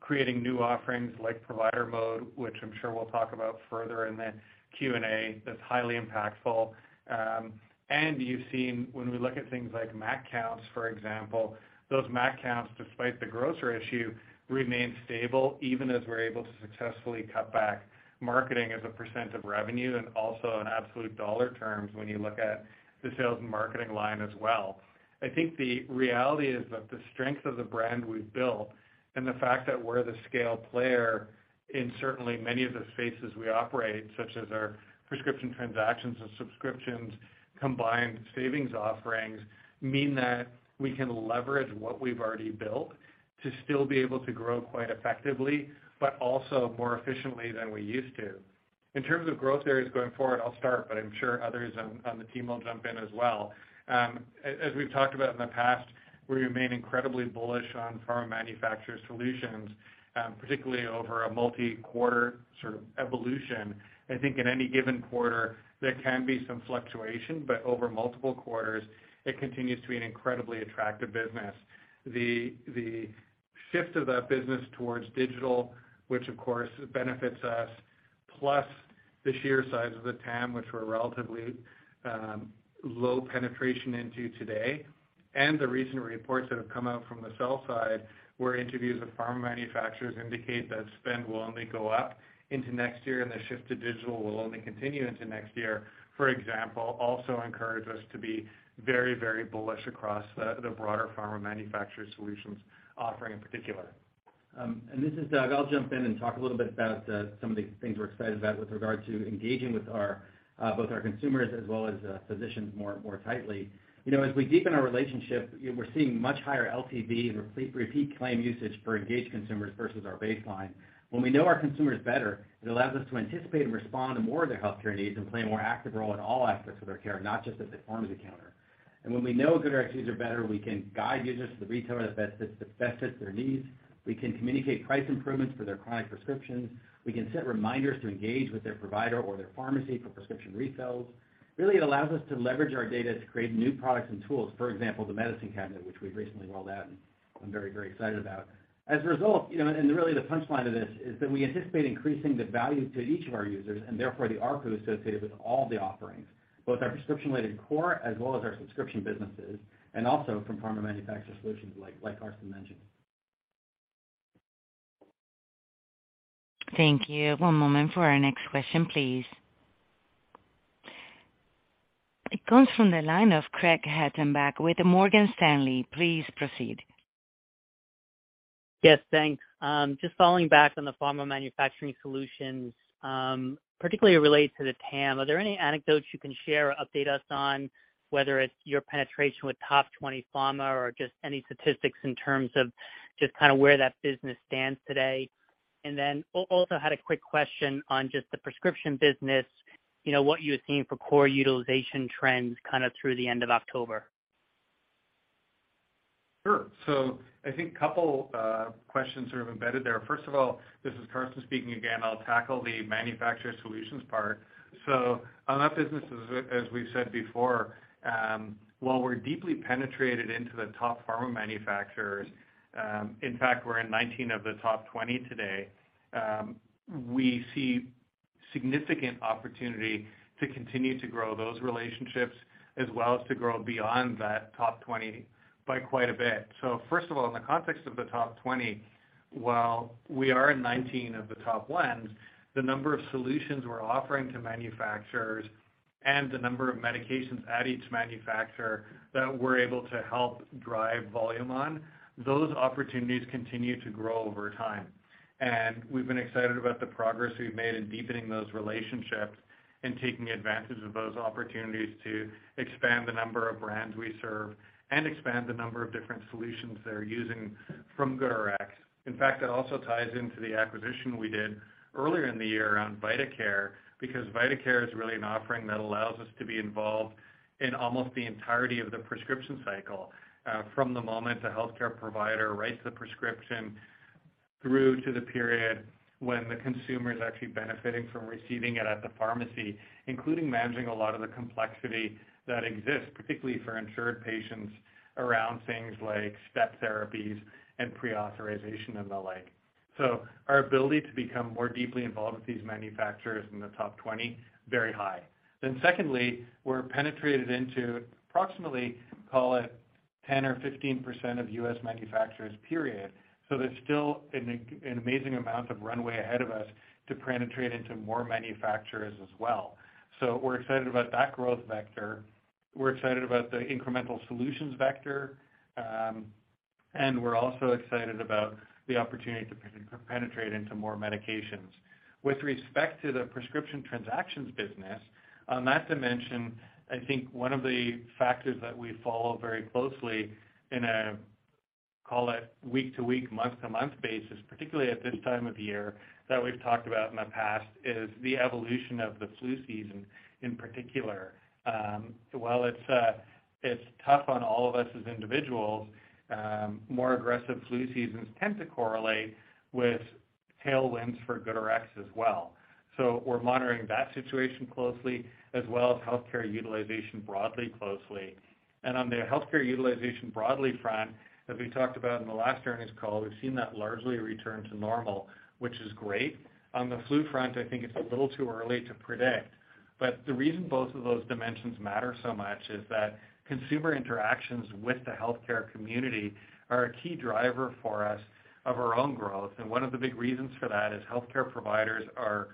creating new offerings like Provider Mode, which I'm sure we'll talk about further in the Q&A, that's highly impactful. You've seen when we look at things like MAC counts, for example, those MAC counts, despite the grocer issue, remain stable even as we're able to successfully cut back marketing as a percent of revenue and also in absolute dollar terms when you look at the sales and marketing line as well. I think the reality is that the strength of the brand we've built and the fact that we're the scale player in certainly many of the spaces we operate, such as our prescription transactions and subscriptions, combined savings offerings, mean that we can leverage what we've already built to still be able to grow quite effectively, but also more efficiently than we used to. In terms of growth areas going forward, I'll start, but I'm sure others on the team will jump in as well. As we've talked about in the past, we remain incredibly bullish on pharma manufacturer solutions, particularly over a multi-quarter sort of evolution. I think in any given quarter, there can be some fluctuation, but over multiple quarters, it continues to be an incredibly attractive business. The shift of that business towards digital, which of course benefits us, plus the sheer size of the TAM, which we're relatively low penetration into today. The recent reports that have come out from the sell side, where interviews with pharma manufacturers indicate that spend will only go up into next year and the shift to digital will only continue into next year, for example, also encourage us to be very bullish across the broader pharma manufacturer solutions offering in particular. This is Doug. I'll jump in and talk a little bit about some of the things we're excited about with regard to engaging with both our consumers as well as physicians more tightly. As we deepen our relationship, we're seeing much higher LTV and repeat claim usage for engaged consumers versus our baseline. When we know our consumers better, it allows us to anticipate and respond to more of their healthcare needs and play a more active role in all aspects of their care, not just at the pharmacy counter. When we know a GoodRx user better, we can guide users to the retailer that best fits their needs. We can communicate price improvements for their chronic prescriptions. We can set reminders to engage with their provider or their pharmacy for prescription refills. Really, it allows us to leverage our data to create new products and tools. For example, the Medicine Cabinet, which we've recently rolled out and I'm very excited about. As a result, and really the punchline of this, is that we anticipate increasing the value to each of our users, and therefore the ARPU associated with all the offerings, both our prescription-related core as well as our subscription businesses, and also from pharma manufacturer solutions like Karsten mentioned. Thank you. One moment for our next question, please. It comes from the line of Craig Hettenbach with Morgan Stanley. Please proceed. Yes, thanks. Just following back on the pharma manufacturer solutions, particularly related to the TAM, are there any anecdotes you can share or update us on whether it's your penetration with top 20 pharma or just any statistics in terms of just where that business stands today? Also had a quick question on just the prescription business, what you're seeing for core utilization trends through the end of October. Sure. I think couple questions are embedded there. First of all, this is Karsten speaking again, I'll tackle the manufacturer solutions part. On that business, as we've said before, while we're deeply penetrated into the top pharma manufacturers, in fact, we're in 19 of the top 20 today. We see significant opportunity to continue to grow those relationships, as well as to grow beyond that top 20 by quite a bit. First of all, in the context of the top 20, while we are in 19 of the top ones, the number of solutions we're offering to manufacturers and the number of medications at each manufacturer that we're able to help drive volume on, those opportunities continue to grow over time. We've been excited about the progress we've made in deepening those relationships and taking advantage of those opportunities to expand the number of brands we serve and expand the number of different solutions they're using from GoodRx. In fact, that also ties into the acquisition we did earlier in the year around vitaCare, because vitaCare is really an offering that allows us to be involved in almost the entirety of the prescription cycle, from the moment the healthcare provider writes the prescription through to the period when the consumer is actually benefiting from receiving it at the pharmacy, including managing a lot of the complexity that exists, particularly for insured patients, around things like step therapies and pre-authorization and the like. Our ability to become more deeply involved with these manufacturers in the top 20, very high. Secondly, we're penetrated into approximately, call it, 10% or 15% of U.S. manufacturers, period. There's still an amazing amount of runway ahead of us to penetrate into more manufacturers as well. We're excited about that growth vector. We're excited about the incremental solutions vector. We're also excited about the opportunity to penetrate into more medications. With respect to the prescription transactions business, on that dimension, I think one of the factors that we follow very closely in a, call it, week-to-week, month-to-month basis, particularly at this time of year, that we've talked about in the past, is the evolution of the flu season, in particular. While it's tough on all of us as individuals, more aggressive flu seasons tend to correlate with tailwinds for GoodRx as well. We're monitoring that situation closely as well as healthcare utilization broadly closely. On the healthcare utilization broadly front, as we talked about in the last earnings call, we've seen that largely return to normal, which is great. On the flu front, I think it's a little too early to predict, but the reason both of those dimensions matter so much is that consumer interactions with the healthcare community are a key driver for us of our own growth. One of the big reasons for that is healthcare providers are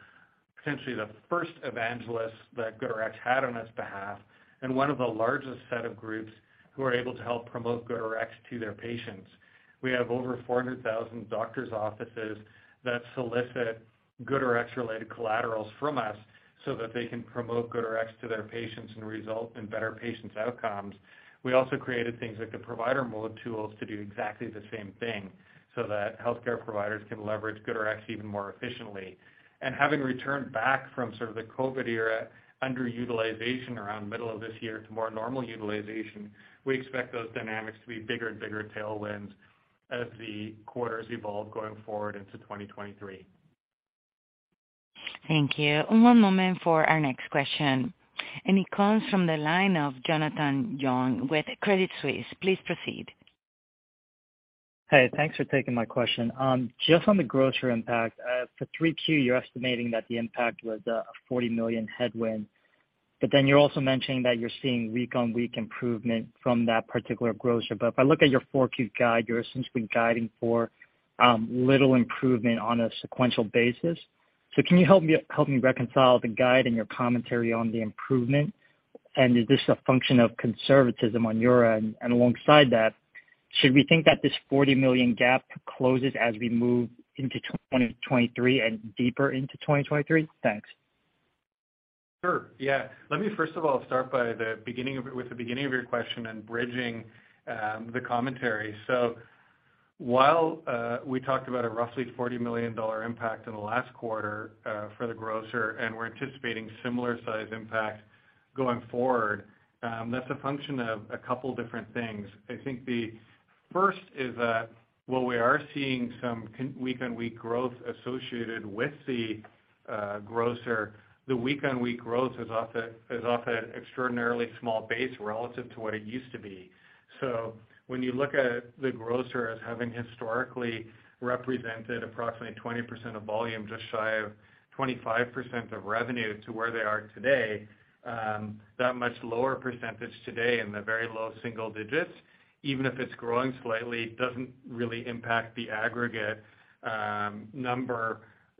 potentially the first evangelists that GoodRx had on its behalf, and one of the largest set of groups who are able to help promote GoodRx to their patients. We have over 400,000 doctor's offices that solicit GoodRx-related collaterals from us so that they can promote GoodRx to their patients and result in better patients' outcomes. We also created things like the Provider Mode tools to do exactly the same thing, so that healthcare providers can leverage GoodRx even more efficiently. Having returned back from sort of the COVID era underutilization around middle of this year to more normal utilization, we expect those dynamics to be bigger and bigger tailwinds as the quarters evolve going forward into 2023. Thank you. One moment for our next question. It comes from the line of Jonathan Yong with Credit Suisse. Please proceed. Hey, thanks for taking my question. Just on the grocer impact. For 3Q, you're estimating that the impact was a $40 million headwind. You're also mentioning that you're seeing week-on-week improvement from that particular grocer. If I look at your 4Q guide, you're essentially guiding for little improvement on a sequential basis. Can you help me reconcile the guide and your commentary on the improvement? Alongside that, should we think that this $40 million gap closes as we move into 2023 and deeper into 2023? Thanks. Sure. Yeah. Let me first of all start with the beginning of your question and bridging the commentary. While we talked about a roughly $40 million impact in the last quarter for the grocer, and we're anticipating similar size impact going forward, that's a function of a couple different things. I think the first is that while we are seeing some week-on-week growth associated with the grocer, the week-on-week growth is off an extraordinarily small base relative to what it used to be. When you look at the grocer as having historically represented approximately 20% of volume, just shy of 25% of revenue to where they are today, that much lower percentage today in the very low single digits, even if it's growing slightly, doesn't really impact the aggregate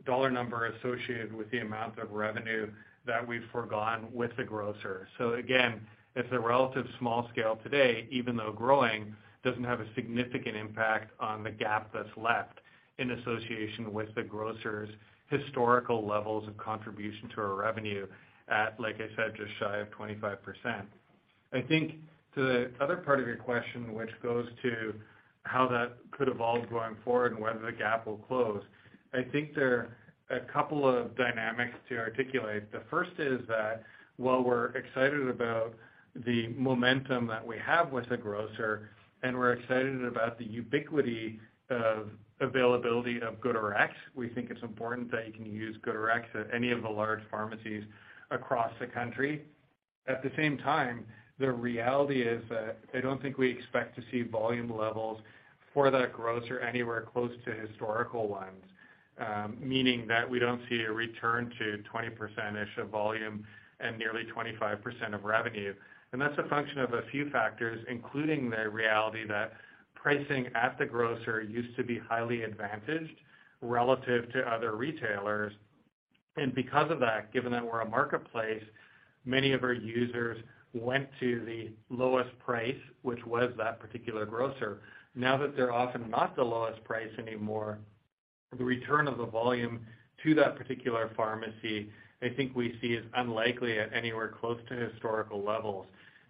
dollar number associated with the amount of revenue that we've forgone with the grocer. Again, it's a relative small scale today, even though growing doesn't have a significant impact on the gap that's left in association with the grocer's historical levels of contribution to our revenue at, like I said, just shy of 25%. I think to the other part of your question, which goes to how that could evolve going forward and whether the gap will close, I think there are a couple of dynamics to articulate. The first is that while we're excited about the momentum that we have with the grocer, and we're excited about the ubiquity of availability of GoodRx, we think it's important that you can use GoodRx at any of the large pharmacies across the country. At the same time, the reality is that I don't think we expect to see volume levels for that grocer anywhere close to historical ones, meaning that we don't see a return to 20%-ish of volume and nearly 25% of revenue. That's a function of a few factors, including the reality that pricing at the grocer used to be highly advantaged relative to other retailers. Because of that, given that we're a marketplace, many of our users went to the lowest price, which was that particular grocer. Now that they're often not the lowest price anymore, the return of the volume to that particular pharmacy, I think we see is unlikely at anywhere close to historical levels.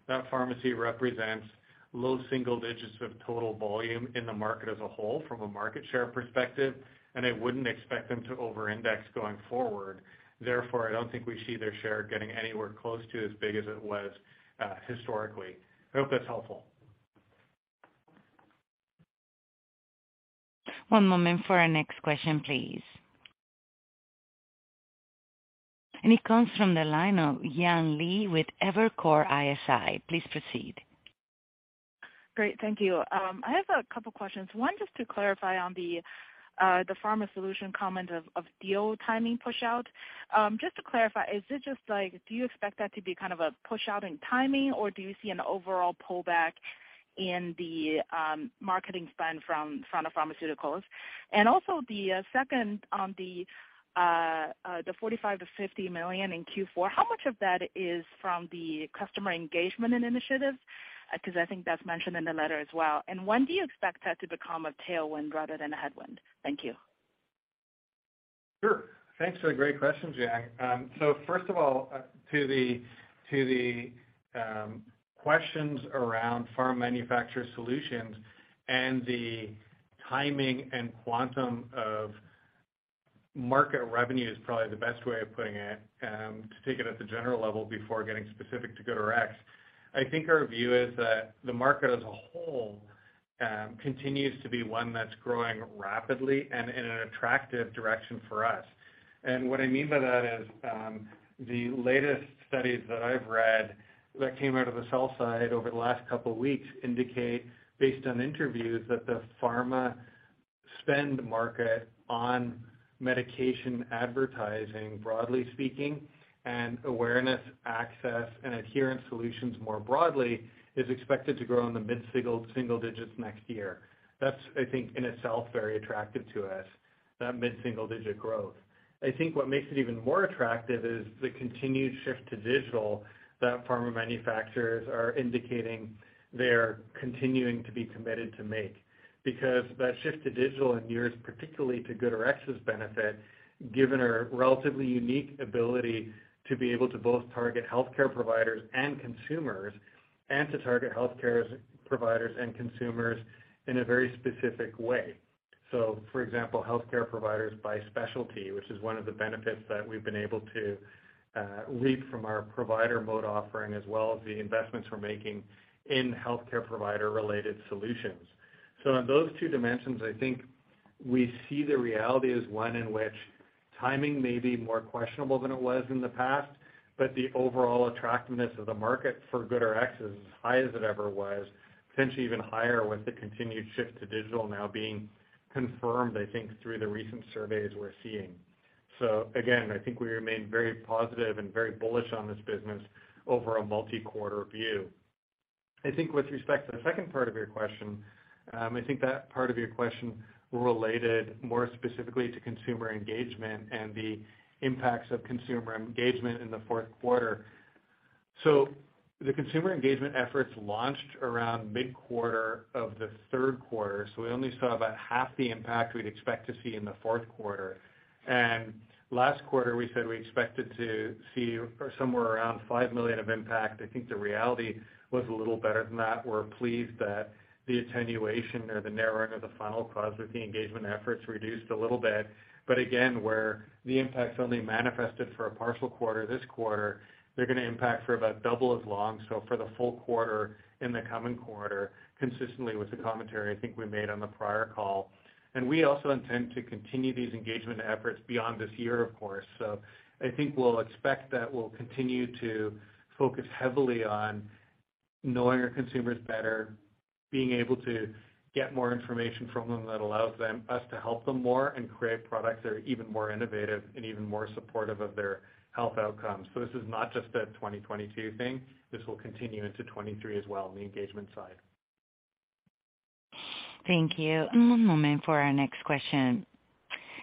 That pharmacy represents low single digits of total volume in the market as a whole from a market share perspective, and I wouldn't expect them to over-index going forward. I don't think we see their share getting anywhere close to as big as it was historically. I hope that's helpful. One moment for our next question, please. It comes from the line of Yang Li with Evercore ISI. Please proceed. Great. Thank you. I have a couple questions. One, just to clarify on the pharma solution comment of deal timing pushout. Just to clarify, do you expect that to be a pushout in timing, or do you see an overall pullback in the marketing spend from pharmaceuticals? Also the second on the $45 million-$50 million in Q4, how much of that is from the customer engagement and initiatives? Because I think that's mentioned in the letter as well. When do you expect that to become a tailwind rather than a headwind? Thank you. Sure. Thanks for the great questions, Yang. First of all, to the questions around pharma manufacturer solutions and the timing and quantum of market revenue is probably the best way of putting it, to take it at the general level before getting specific to GoodRx. I think our view is that the market as a whole continues to be one that's growing rapidly and in an attractive direction for us. What I mean by that is, the latest studies that I've read that came out of the sell side over the last couple weeks indicate, based on interviews, that the pharma spend market on medication advertising, broadly speaking, and awareness, access, and adherence solutions more broadly, is expected to grow in the mid-single digits next year. That's, I think, in itself very attractive to us, that mid-single digit growth. I think what makes it even more attractive is the continued shift to digital that pharma manufacturers are indicating they're continuing to be committed to make, because that shift to digital endures particularly to GoodRx's benefit, given our relatively unique ability to be able to both target healthcare providers and consumers, and to target healthcare providers and consumers in a very specific way. For example, healthcare providers by specialty, which is one of the benefits that we've been able to reap from our Provider Mode offering as well as the investments we're making in healthcare provider-related solutions. On those two dimensions, I think we see the reality is one in which timing may be more questionable than it was in the past, but the overall attractiveness of the market for GoodRx is as high as it ever was, potentially even higher with the continued shift to digital now being confirmed, I think, through the recent surveys we're seeing. Again, I think we remain very positive and very bullish on this business over a multi-quarter view. I think with respect to the second part of your question, I think that part of your question related more specifically to consumer engagement and the impacts of consumer engagement in the fourth quarter. The consumer engagement efforts launched around mid-quarter of the third quarter, we only saw about half the impact we'd expect to see in the fourth quarter. Last quarter, we said we expected to see somewhere around $5 million of impact. I think the reality was a little better than that. We're pleased that the attenuation or the narrowing of the funnel caused with the engagement efforts reduced a little bit. Again, where the impact's only manifested for a partial quarter this quarter, they're going to impact for about double as long, for the full quarter in the coming quarter, consistently with the commentary I think we made on the prior call. We also intend to continue these engagement efforts beyond this year, of course. I think we'll expect that we'll continue to focus heavily on knowing our consumers better, being able to get more information from them that allows us to help them more and create products that are even more innovative and even more supportive of their health outcomes. This is not just a 2022 thing. This will continue into 2023 as well on the engagement side. Thank you. One moment for our next question.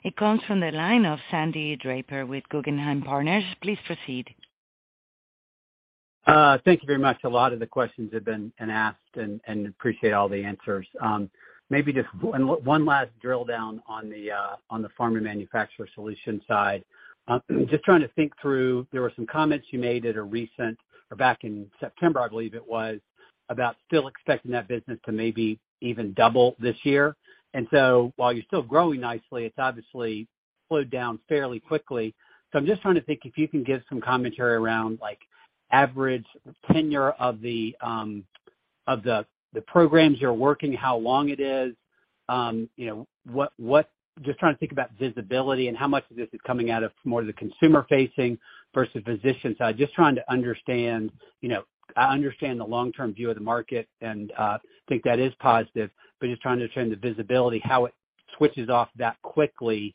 It comes from the line of Sandy Draper with Guggenheim Partners. Please proceed. Thank you very much. A lot of the questions have been asked. Appreciate all the answers. Maybe just one last drill down on the pharma manufacturer solution side. Just trying to think through, there were some comments you made at a recent, or back in September, I believe it was, about still expecting that business to maybe even double this year. While you're still growing nicely, it's obviously slowed down fairly quickly. I'm just trying to think if you can give some commentary around average tenure of the programs you're working, how long it is. Just trying to think about visibility and how much of this is coming out of more of the consumer-facing versus physician side. Just trying to understand the long-term view of the market and, think that is positive, but just trying to understand the visibility, how it switches off that quickly,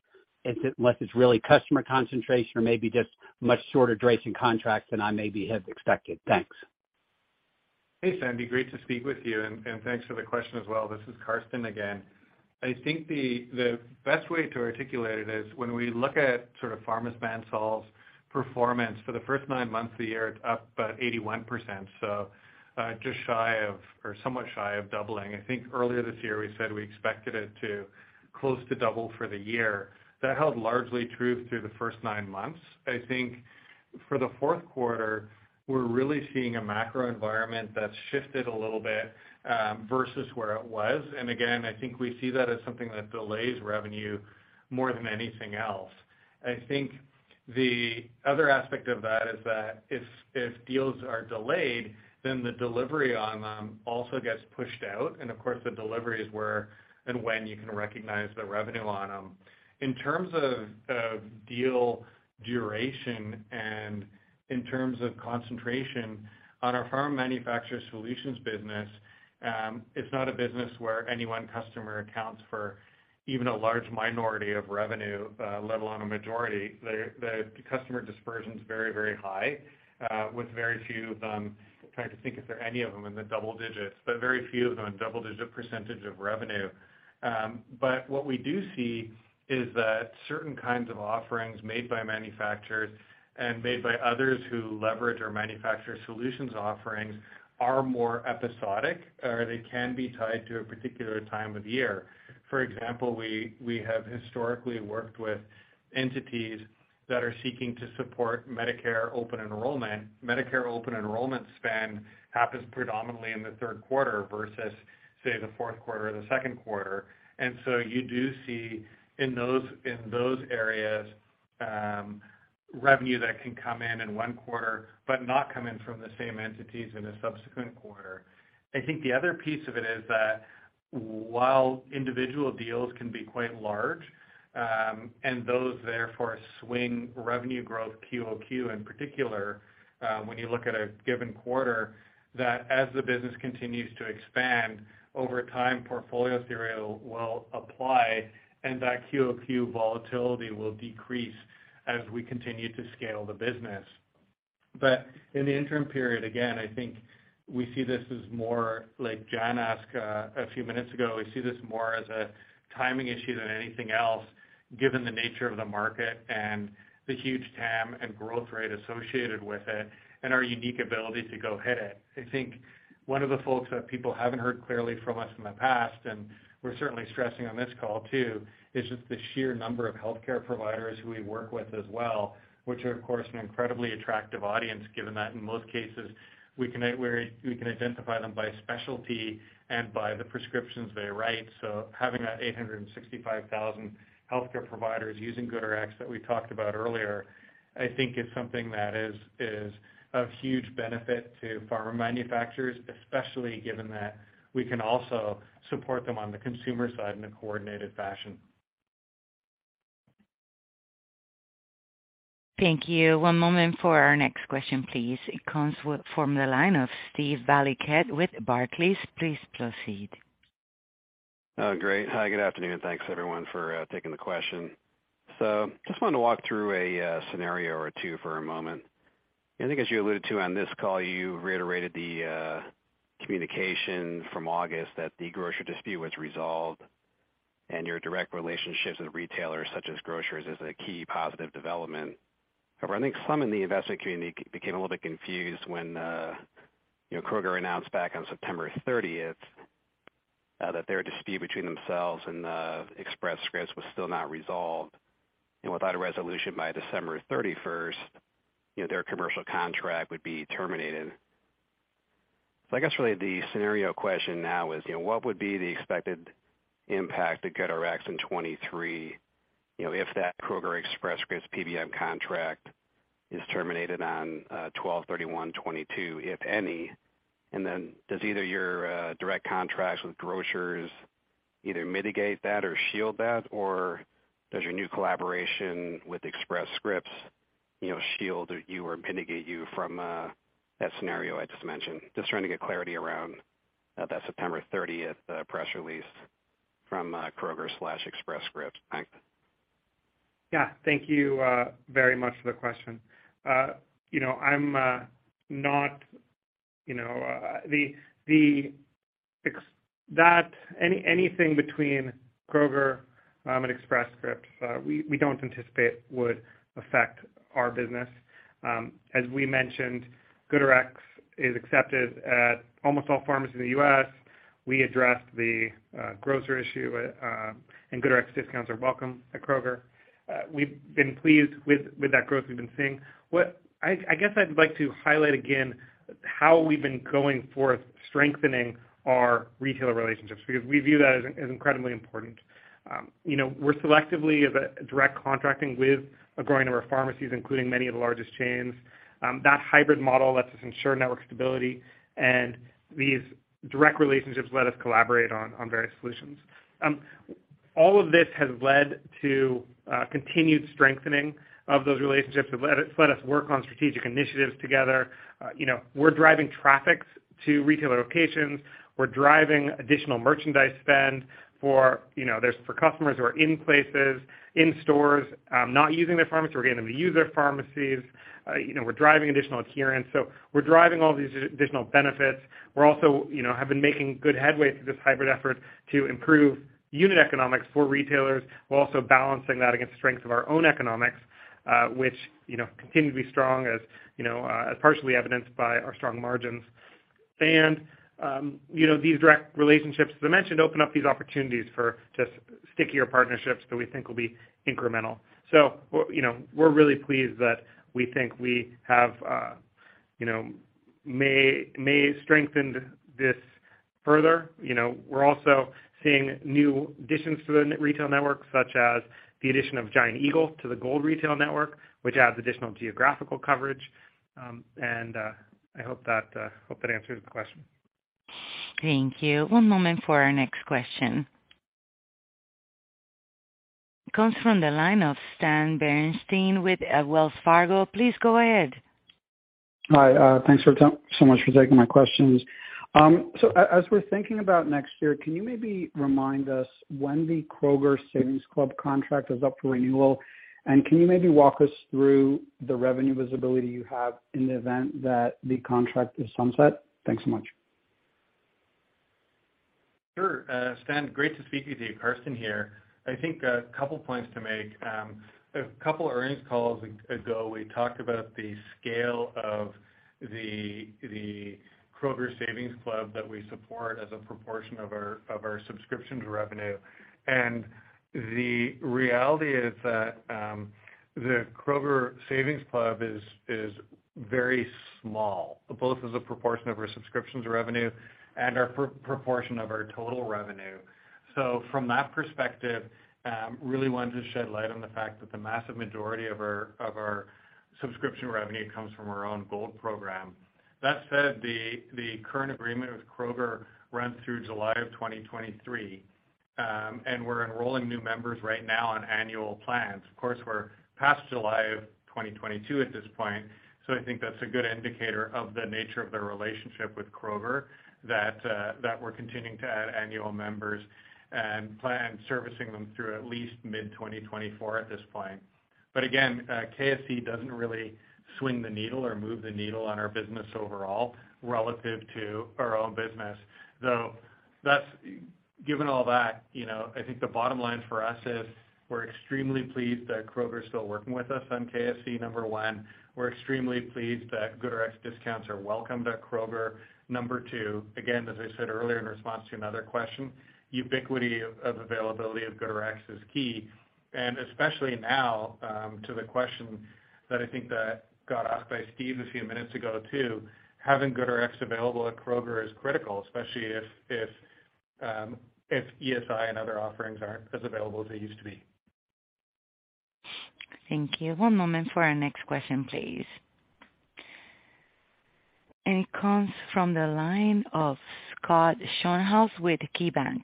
unless it's really customer concentration or maybe just much shorter duration contracts than I maybe had expected. Thanks. Hey, Sandy. Great to speak with you, and thanks for the question as well. This is Karsten again. I think the best way to articulate it is when we look at pharma's brand sales performance for the first nine months of the year, it's up about 81%, so somewhat shy of doubling. I think earlier this year, we said we expected it to close to double for the year. That held largely true through the first nine months. I think for the fourth quarter, we're really seeing a macro environment that's shifted a little bit, versus where it was. Again, I think we see that as something that delays revenue more than anything else. I think the other aspect of that is that if deals are delayed, then the delivery on them also gets pushed out, and of course, the delivery is where and when you can recognize the revenue on them. In terms of deal duration and in terms of concentration on our Pharma Manufacturer Solutions Business, it is not a business where any one customer accounts for even a large minority of revenue, let alone a majority. The customer dispersion is very, very high, with very few of them, trying to think if there are any of them in the double digits, but very few of them double-digit percentage of revenue. What we do see is that certain kinds of offerings made by manufacturers and made by others who leverage our Manufacturer Solutions offerings are more episodic, or they can be tied to a particular time of year. For example, we have historically worked with entities that are seeking to support Medicare open enrollment. Medicare open enrollment spend happens predominantly in the third quarter versus, say, the fourth quarter or the second quarter. You do see in those areas, revenue that can come in in one quarter, but not come in from the same entities in a subsequent quarter. I think the other piece of it is that while individual deals can be quite large, and those therefore swing revenue growth QOQ in particular, when you look at a given quarter, that as the business continues to expand over time, portfolio theory will apply, and that QOQ volatility will decrease as we continue to scale the business. In the interim period, again, I think we see this as more like John asked a few minutes ago, we see this more as a timing issue than anything else, given the nature of the market and the huge TAM and growth rate associated with it and our unique ability to go hit it. I think one of the folks that people have not heard clearly from us in the past, and we are certainly stressing on this call too, is just the sheer number of healthcare providers who we work with as well, which are, of course, an incredibly attractive audience, given that in most cases, we can identify them by specialty and by the prescriptions they write. Having that 865,000 healthcare providers using GoodRx that we talked about earlier, I think is something that is of huge benefit to pharma manufacturers, especially given that we can also support them on the consumer side in a coordinated fashion. Thank you. One moment for our next question, please. It comes from the line of Steven Valiquette with Barclays. Please proceed. Great. Hi, good afternoon, and thanks everyone for taking the question. Just wanted to walk through a scenario or two for a moment. I think as you alluded to on this call, you reiterated the communication from August that the grocery dispute was resolved. Your direct relationships with retailers such as grocers is a key positive development. However, I think some in the investment community became a little bit confused when Kroger announced back on September 30th that their dispute between themselves and Express Scripts was still not resolved, and without a resolution by December 31st, their commercial contract would be terminated. I guess really the scenario question now is, what would be the expected impact to GoodRx in 2023, if that Kroger Express Scripts PBM contract is terminated on 12/31/2022, if any? Does either your direct contracts with grocers either mitigate that or shield that? Does your new collaboration with Express Scripts shield you or mitigate you from that scenario I just mentioned? Just trying to get clarity around that September 30th press release from Kroger/Express Scripts. Thanks. Yeah. Thank you very much for the question. Anything between Kroger and Express Scripts, we don't anticipate would affect our business. As we mentioned, GoodRx is accepted at almost all pharmacies in the U.S. We addressed the grocer issue, and GoodRx discounts are welcome at Kroger. We've been pleased with that growth we've been seeing. I guess I'd like to highlight again how we've been going forth, strengthening our retailer relationships, because we view that as incredibly important. We're selectively direct contracting with a growing number of pharmacies, including many of the largest chains. That hybrid model lets us ensure network stability. These direct relationships let us collaborate on various solutions. All of this has led to continued strengthening of those relationships, have let us work on strategic initiatives together. We're driving traffic to retailer locations. We're driving additional merchandise spend for customers who are in places, in stores, not using their pharmacy. We're getting them to use their pharmacies. We're driving additional adherence. We're driving all these additional benefits. We also have been making good headway through this hybrid effort to improve unit economics for retailers, while also balancing that against the strengths of our own economics, which continue to be strong, as partially evidenced by our strong margins. These direct relationships, as I mentioned, open up these opportunities for just stickier partnerships that we think will be incremental. We're really pleased that we think we may have strengthened this further. We're also seeing new additions to the retail network, such as the addition of Giant Eagle to the Gold retail network, which adds additional geographical coverage. I hope that answers the question. Thank you. One moment for our next question. Comes from the line of Stan Berenshteyn with Wells Fargo. Please go ahead. Hi. Thanks so much for taking my questions. As we're thinking about next year, can you maybe remind us when the Kroger Savings Club contract is up for renewal? Can you maybe walk us through the revenue visibility you have in the event that the contract is sunset? Thanks so much. Sure. Stan, great to speak with you. Karsten here. I think a couple points to make. A couple earnings calls ago, we talked about the scale of the Kroger Savings Club that we support as a proportion of our subscriptions revenue. The reality is that the Kroger Savings Club is very small, both as a proportion of our subscriptions revenue and our proportion of our total revenue. From that perspective, really wanted to shed light on the fact that the massive majority of our subscription revenue comes from our own Gold program. That said, the current agreement with Kroger runs through July of 2023, and we're enrolling new members right now on annual plans. We're past July of 2022 at this point. I think that's a good indicator of the nature of the relationship with Kroger, that we're continuing to add annual members and plan servicing them through at least mid-2024 at this point. KSC doesn't really swing the needle or move the needle on our business overall relative to our own business. Given all that, I think the bottom line for us is we're extremely pleased that Kroger is still working with us on KSC, number one. We're extremely pleased that GoodRx discounts are welcomed at Kroger, number two. As I said earlier in response to another question, ubiquity of availability of GoodRx is key, and especially now, to the question that I think that got asked by Steve a few minutes ago, too, having GoodRx available at Kroger is critical, especially if ESI and other offerings aren't as available as they used to be. Thank you. One moment for our next question, please. It comes from the line of Scott Schoenhaus with KeyBanc.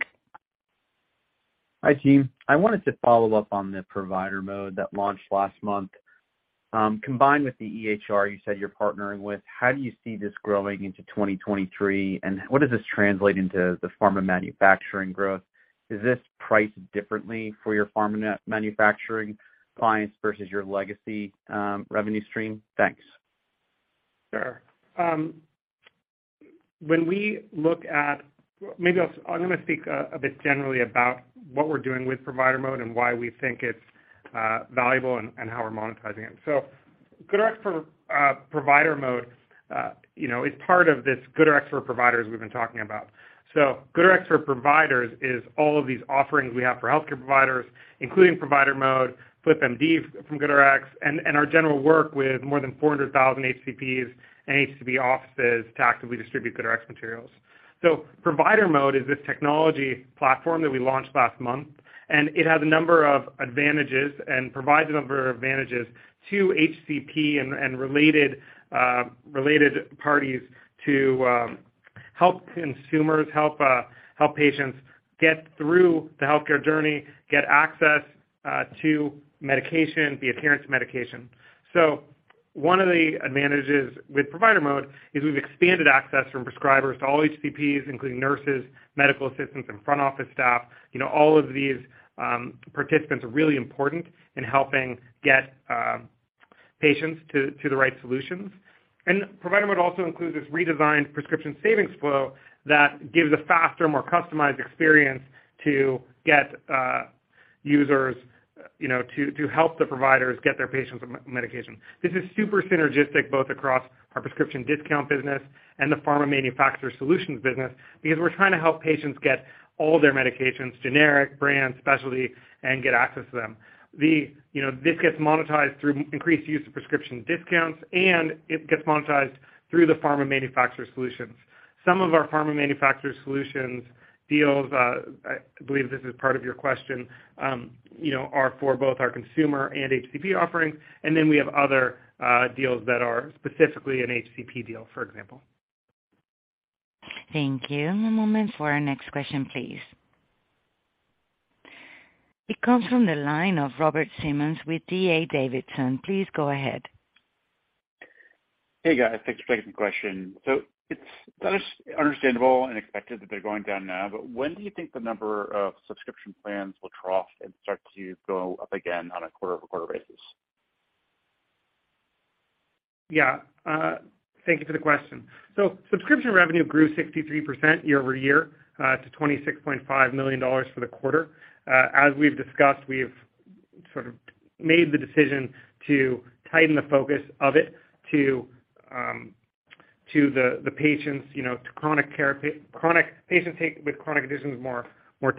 Hi, team. I wanted to follow up on the Provider Mode that launched last month. Combined with the EHR you said you're partnering with, how do you see this growing into 2023, and what does this translate into the pharma manufacturing growth? Is this priced differently for your pharma manufacturing clients versus your legacy revenue stream? Thanks. Sure. I'm going to speak a bit generally about what we're doing with Provider Mode and why we think it's valuable and how we're monetizing it. GoodRx for Provider Mode is part of this GoodRx for Providers we've been talking about. GoodRx for Providers is all of these offerings we have for healthcare providers, including Provider Mode, flipMD from GoodRx, and our general work with more than 400,000 HCPs and HCP offices to actively distribute GoodRx materials. Provider Mode is this technology platform that we launched last month, and it has a number of advantages and provides a number of advantages to HCP and related parties to help consumers, help patients get through the healthcare journey, get access to medication, the adherence medication. One of the advantages with Provider Mode is we've expanded access from prescribers to all HCPs, including nurses, medical assistants, and front office staff. All of these participants are really important in helping get patients to the right solutions. Provider Mode also includes this redesigned prescription savings flow that gives a faster, more customized experience to get users to help the providers get their patients on medication. This is super synergistic, both across our prescription discount business and the pharma manufacturer solutions business, because we're trying to help patients get all their medications, generic, brand, specialty, and get access to them. This gets monetized through increased use of prescription discounts, and it gets monetized through the pharma manufacturer solutions. Some of our pharma manufacturer solutions deals, I believe this is part of your question, are for both our consumer and HCP offerings. We have other deals that are specifically an HCP deal, for example. Thank you. One moment for our next question, please. It comes from the line of Robert Simmons with D.A. Davidson. Please go ahead. Hey, guys. Thanks for taking the question. It's understandable and expected that they're going down now, but when do you think the number of subscription plans will trough and start to go up again on a quarter-over-quarter basis? Yeah. Thank you for the question. Subscription revenue grew 63% year-over-year, to $26.5 million for the quarter. As we've discussed, we've sort of made the decision to tighten the focus of it to the patients, to patients with chronic conditions more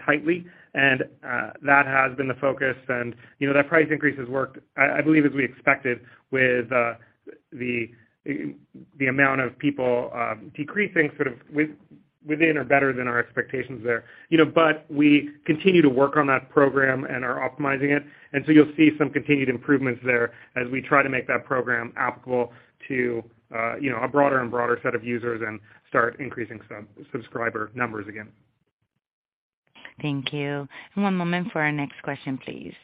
tightly. That has been the focus, and that price increase has worked, I believe as we expected, with the amount of people decreasing sort of within or better than our expectations there. We continue to work on that program and are optimizing it. You'll see some continued improvements there as we try to make that program applicable to a broader and broader set of users and start increasing subscriber numbers again. Thank you. One moment for our next question, please.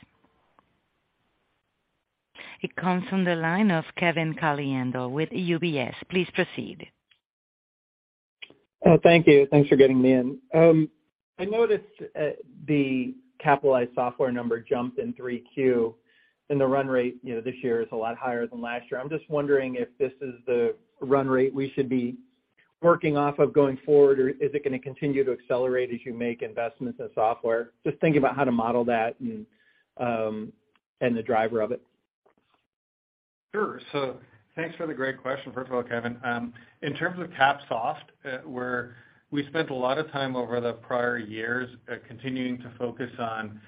It comes from the line of Kevin Caliendo with UBS. Please proceed. Thank you. Thanks for getting me in. I noticed the capitalized software number jumped in Q3, the run rate this year is a lot higher than last year. I'm just wondering if this is the run rate we should be working off of going forward, or is it going to continue to accelerate as you make investments in software? Just thinking about how to model that and the driver of it. Sure. Thanks for the great question, first of all, Kevin. In terms of capitalized software, we spent a lot of time over the prior years continuing to focus on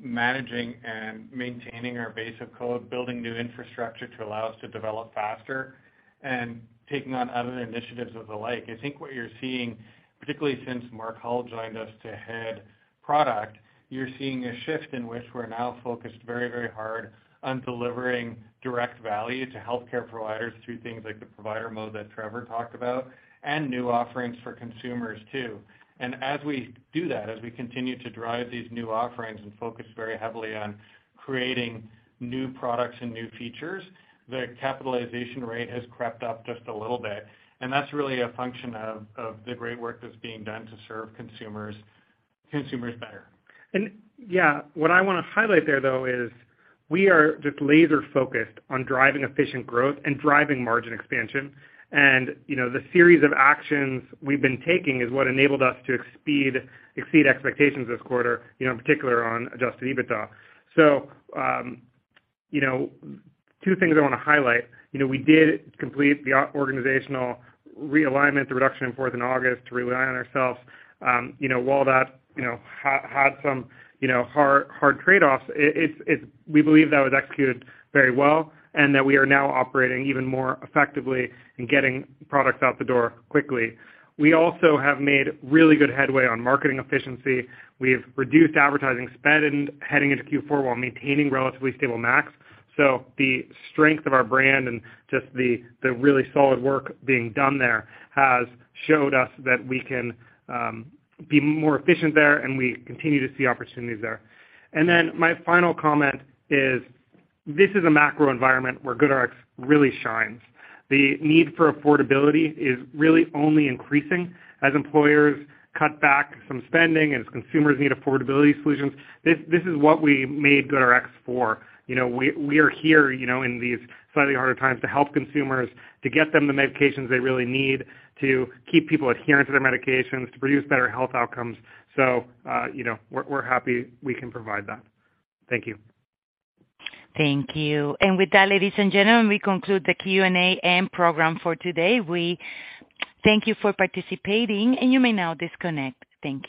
managing and maintaining our base of code, building new infrastructure to allow us to develop faster and taking on other initiatives of the like. I think what you're seeing, particularly since Mark Hull joined us to head product, you're seeing a shift in which we're now focused very hard on delivering direct value to healthcare providers through things like the Provider Mode that Trevor talked about, and new offerings for consumers, too. As we do that, as we continue to drive these new offerings and focus very heavily on creating new products and new features, the capitalization rate has crept up just a little bit. That's really a function of the great work that's being done to serve consumers better. Yeah, what I want to highlight there, though, is we are just laser-focused on driving efficient growth and driving margin expansion. The series of actions we've been taking is what enabled us to exceed expectations this quarter, in particular on adjusted EBITDA. Two things I want to highlight. We did complete the organizational realignment, the reduction in force in August to realign ourselves. While that had some hard trade-offs, we believe that was executed very well and that we are now operating even more effectively in getting products out the door quickly. We also have made really good headway on marketing efficiency. We've reduced advertising spend heading into Q4 while maintaining relatively stable MACs. The strength of our brand and just the really solid work being done there has showed us that we can be more efficient there, and we continue to see opportunities there. My final comment is, this is a macro environment where GoodRx really shines. The need for affordability is really only increasing as employers cut back some spending and as consumers need affordability solutions. This is what we made GoodRx for. We are here in these slightly harder times to help consumers, to get them the medications they really need, to keep people adherent to their medications, to produce better health outcomes. We're happy we can provide that. Thank you. Thank you. With that, ladies and gentlemen, we conclude the Q&A and program for today. We thank you for participating, and you may now disconnect. Thank you.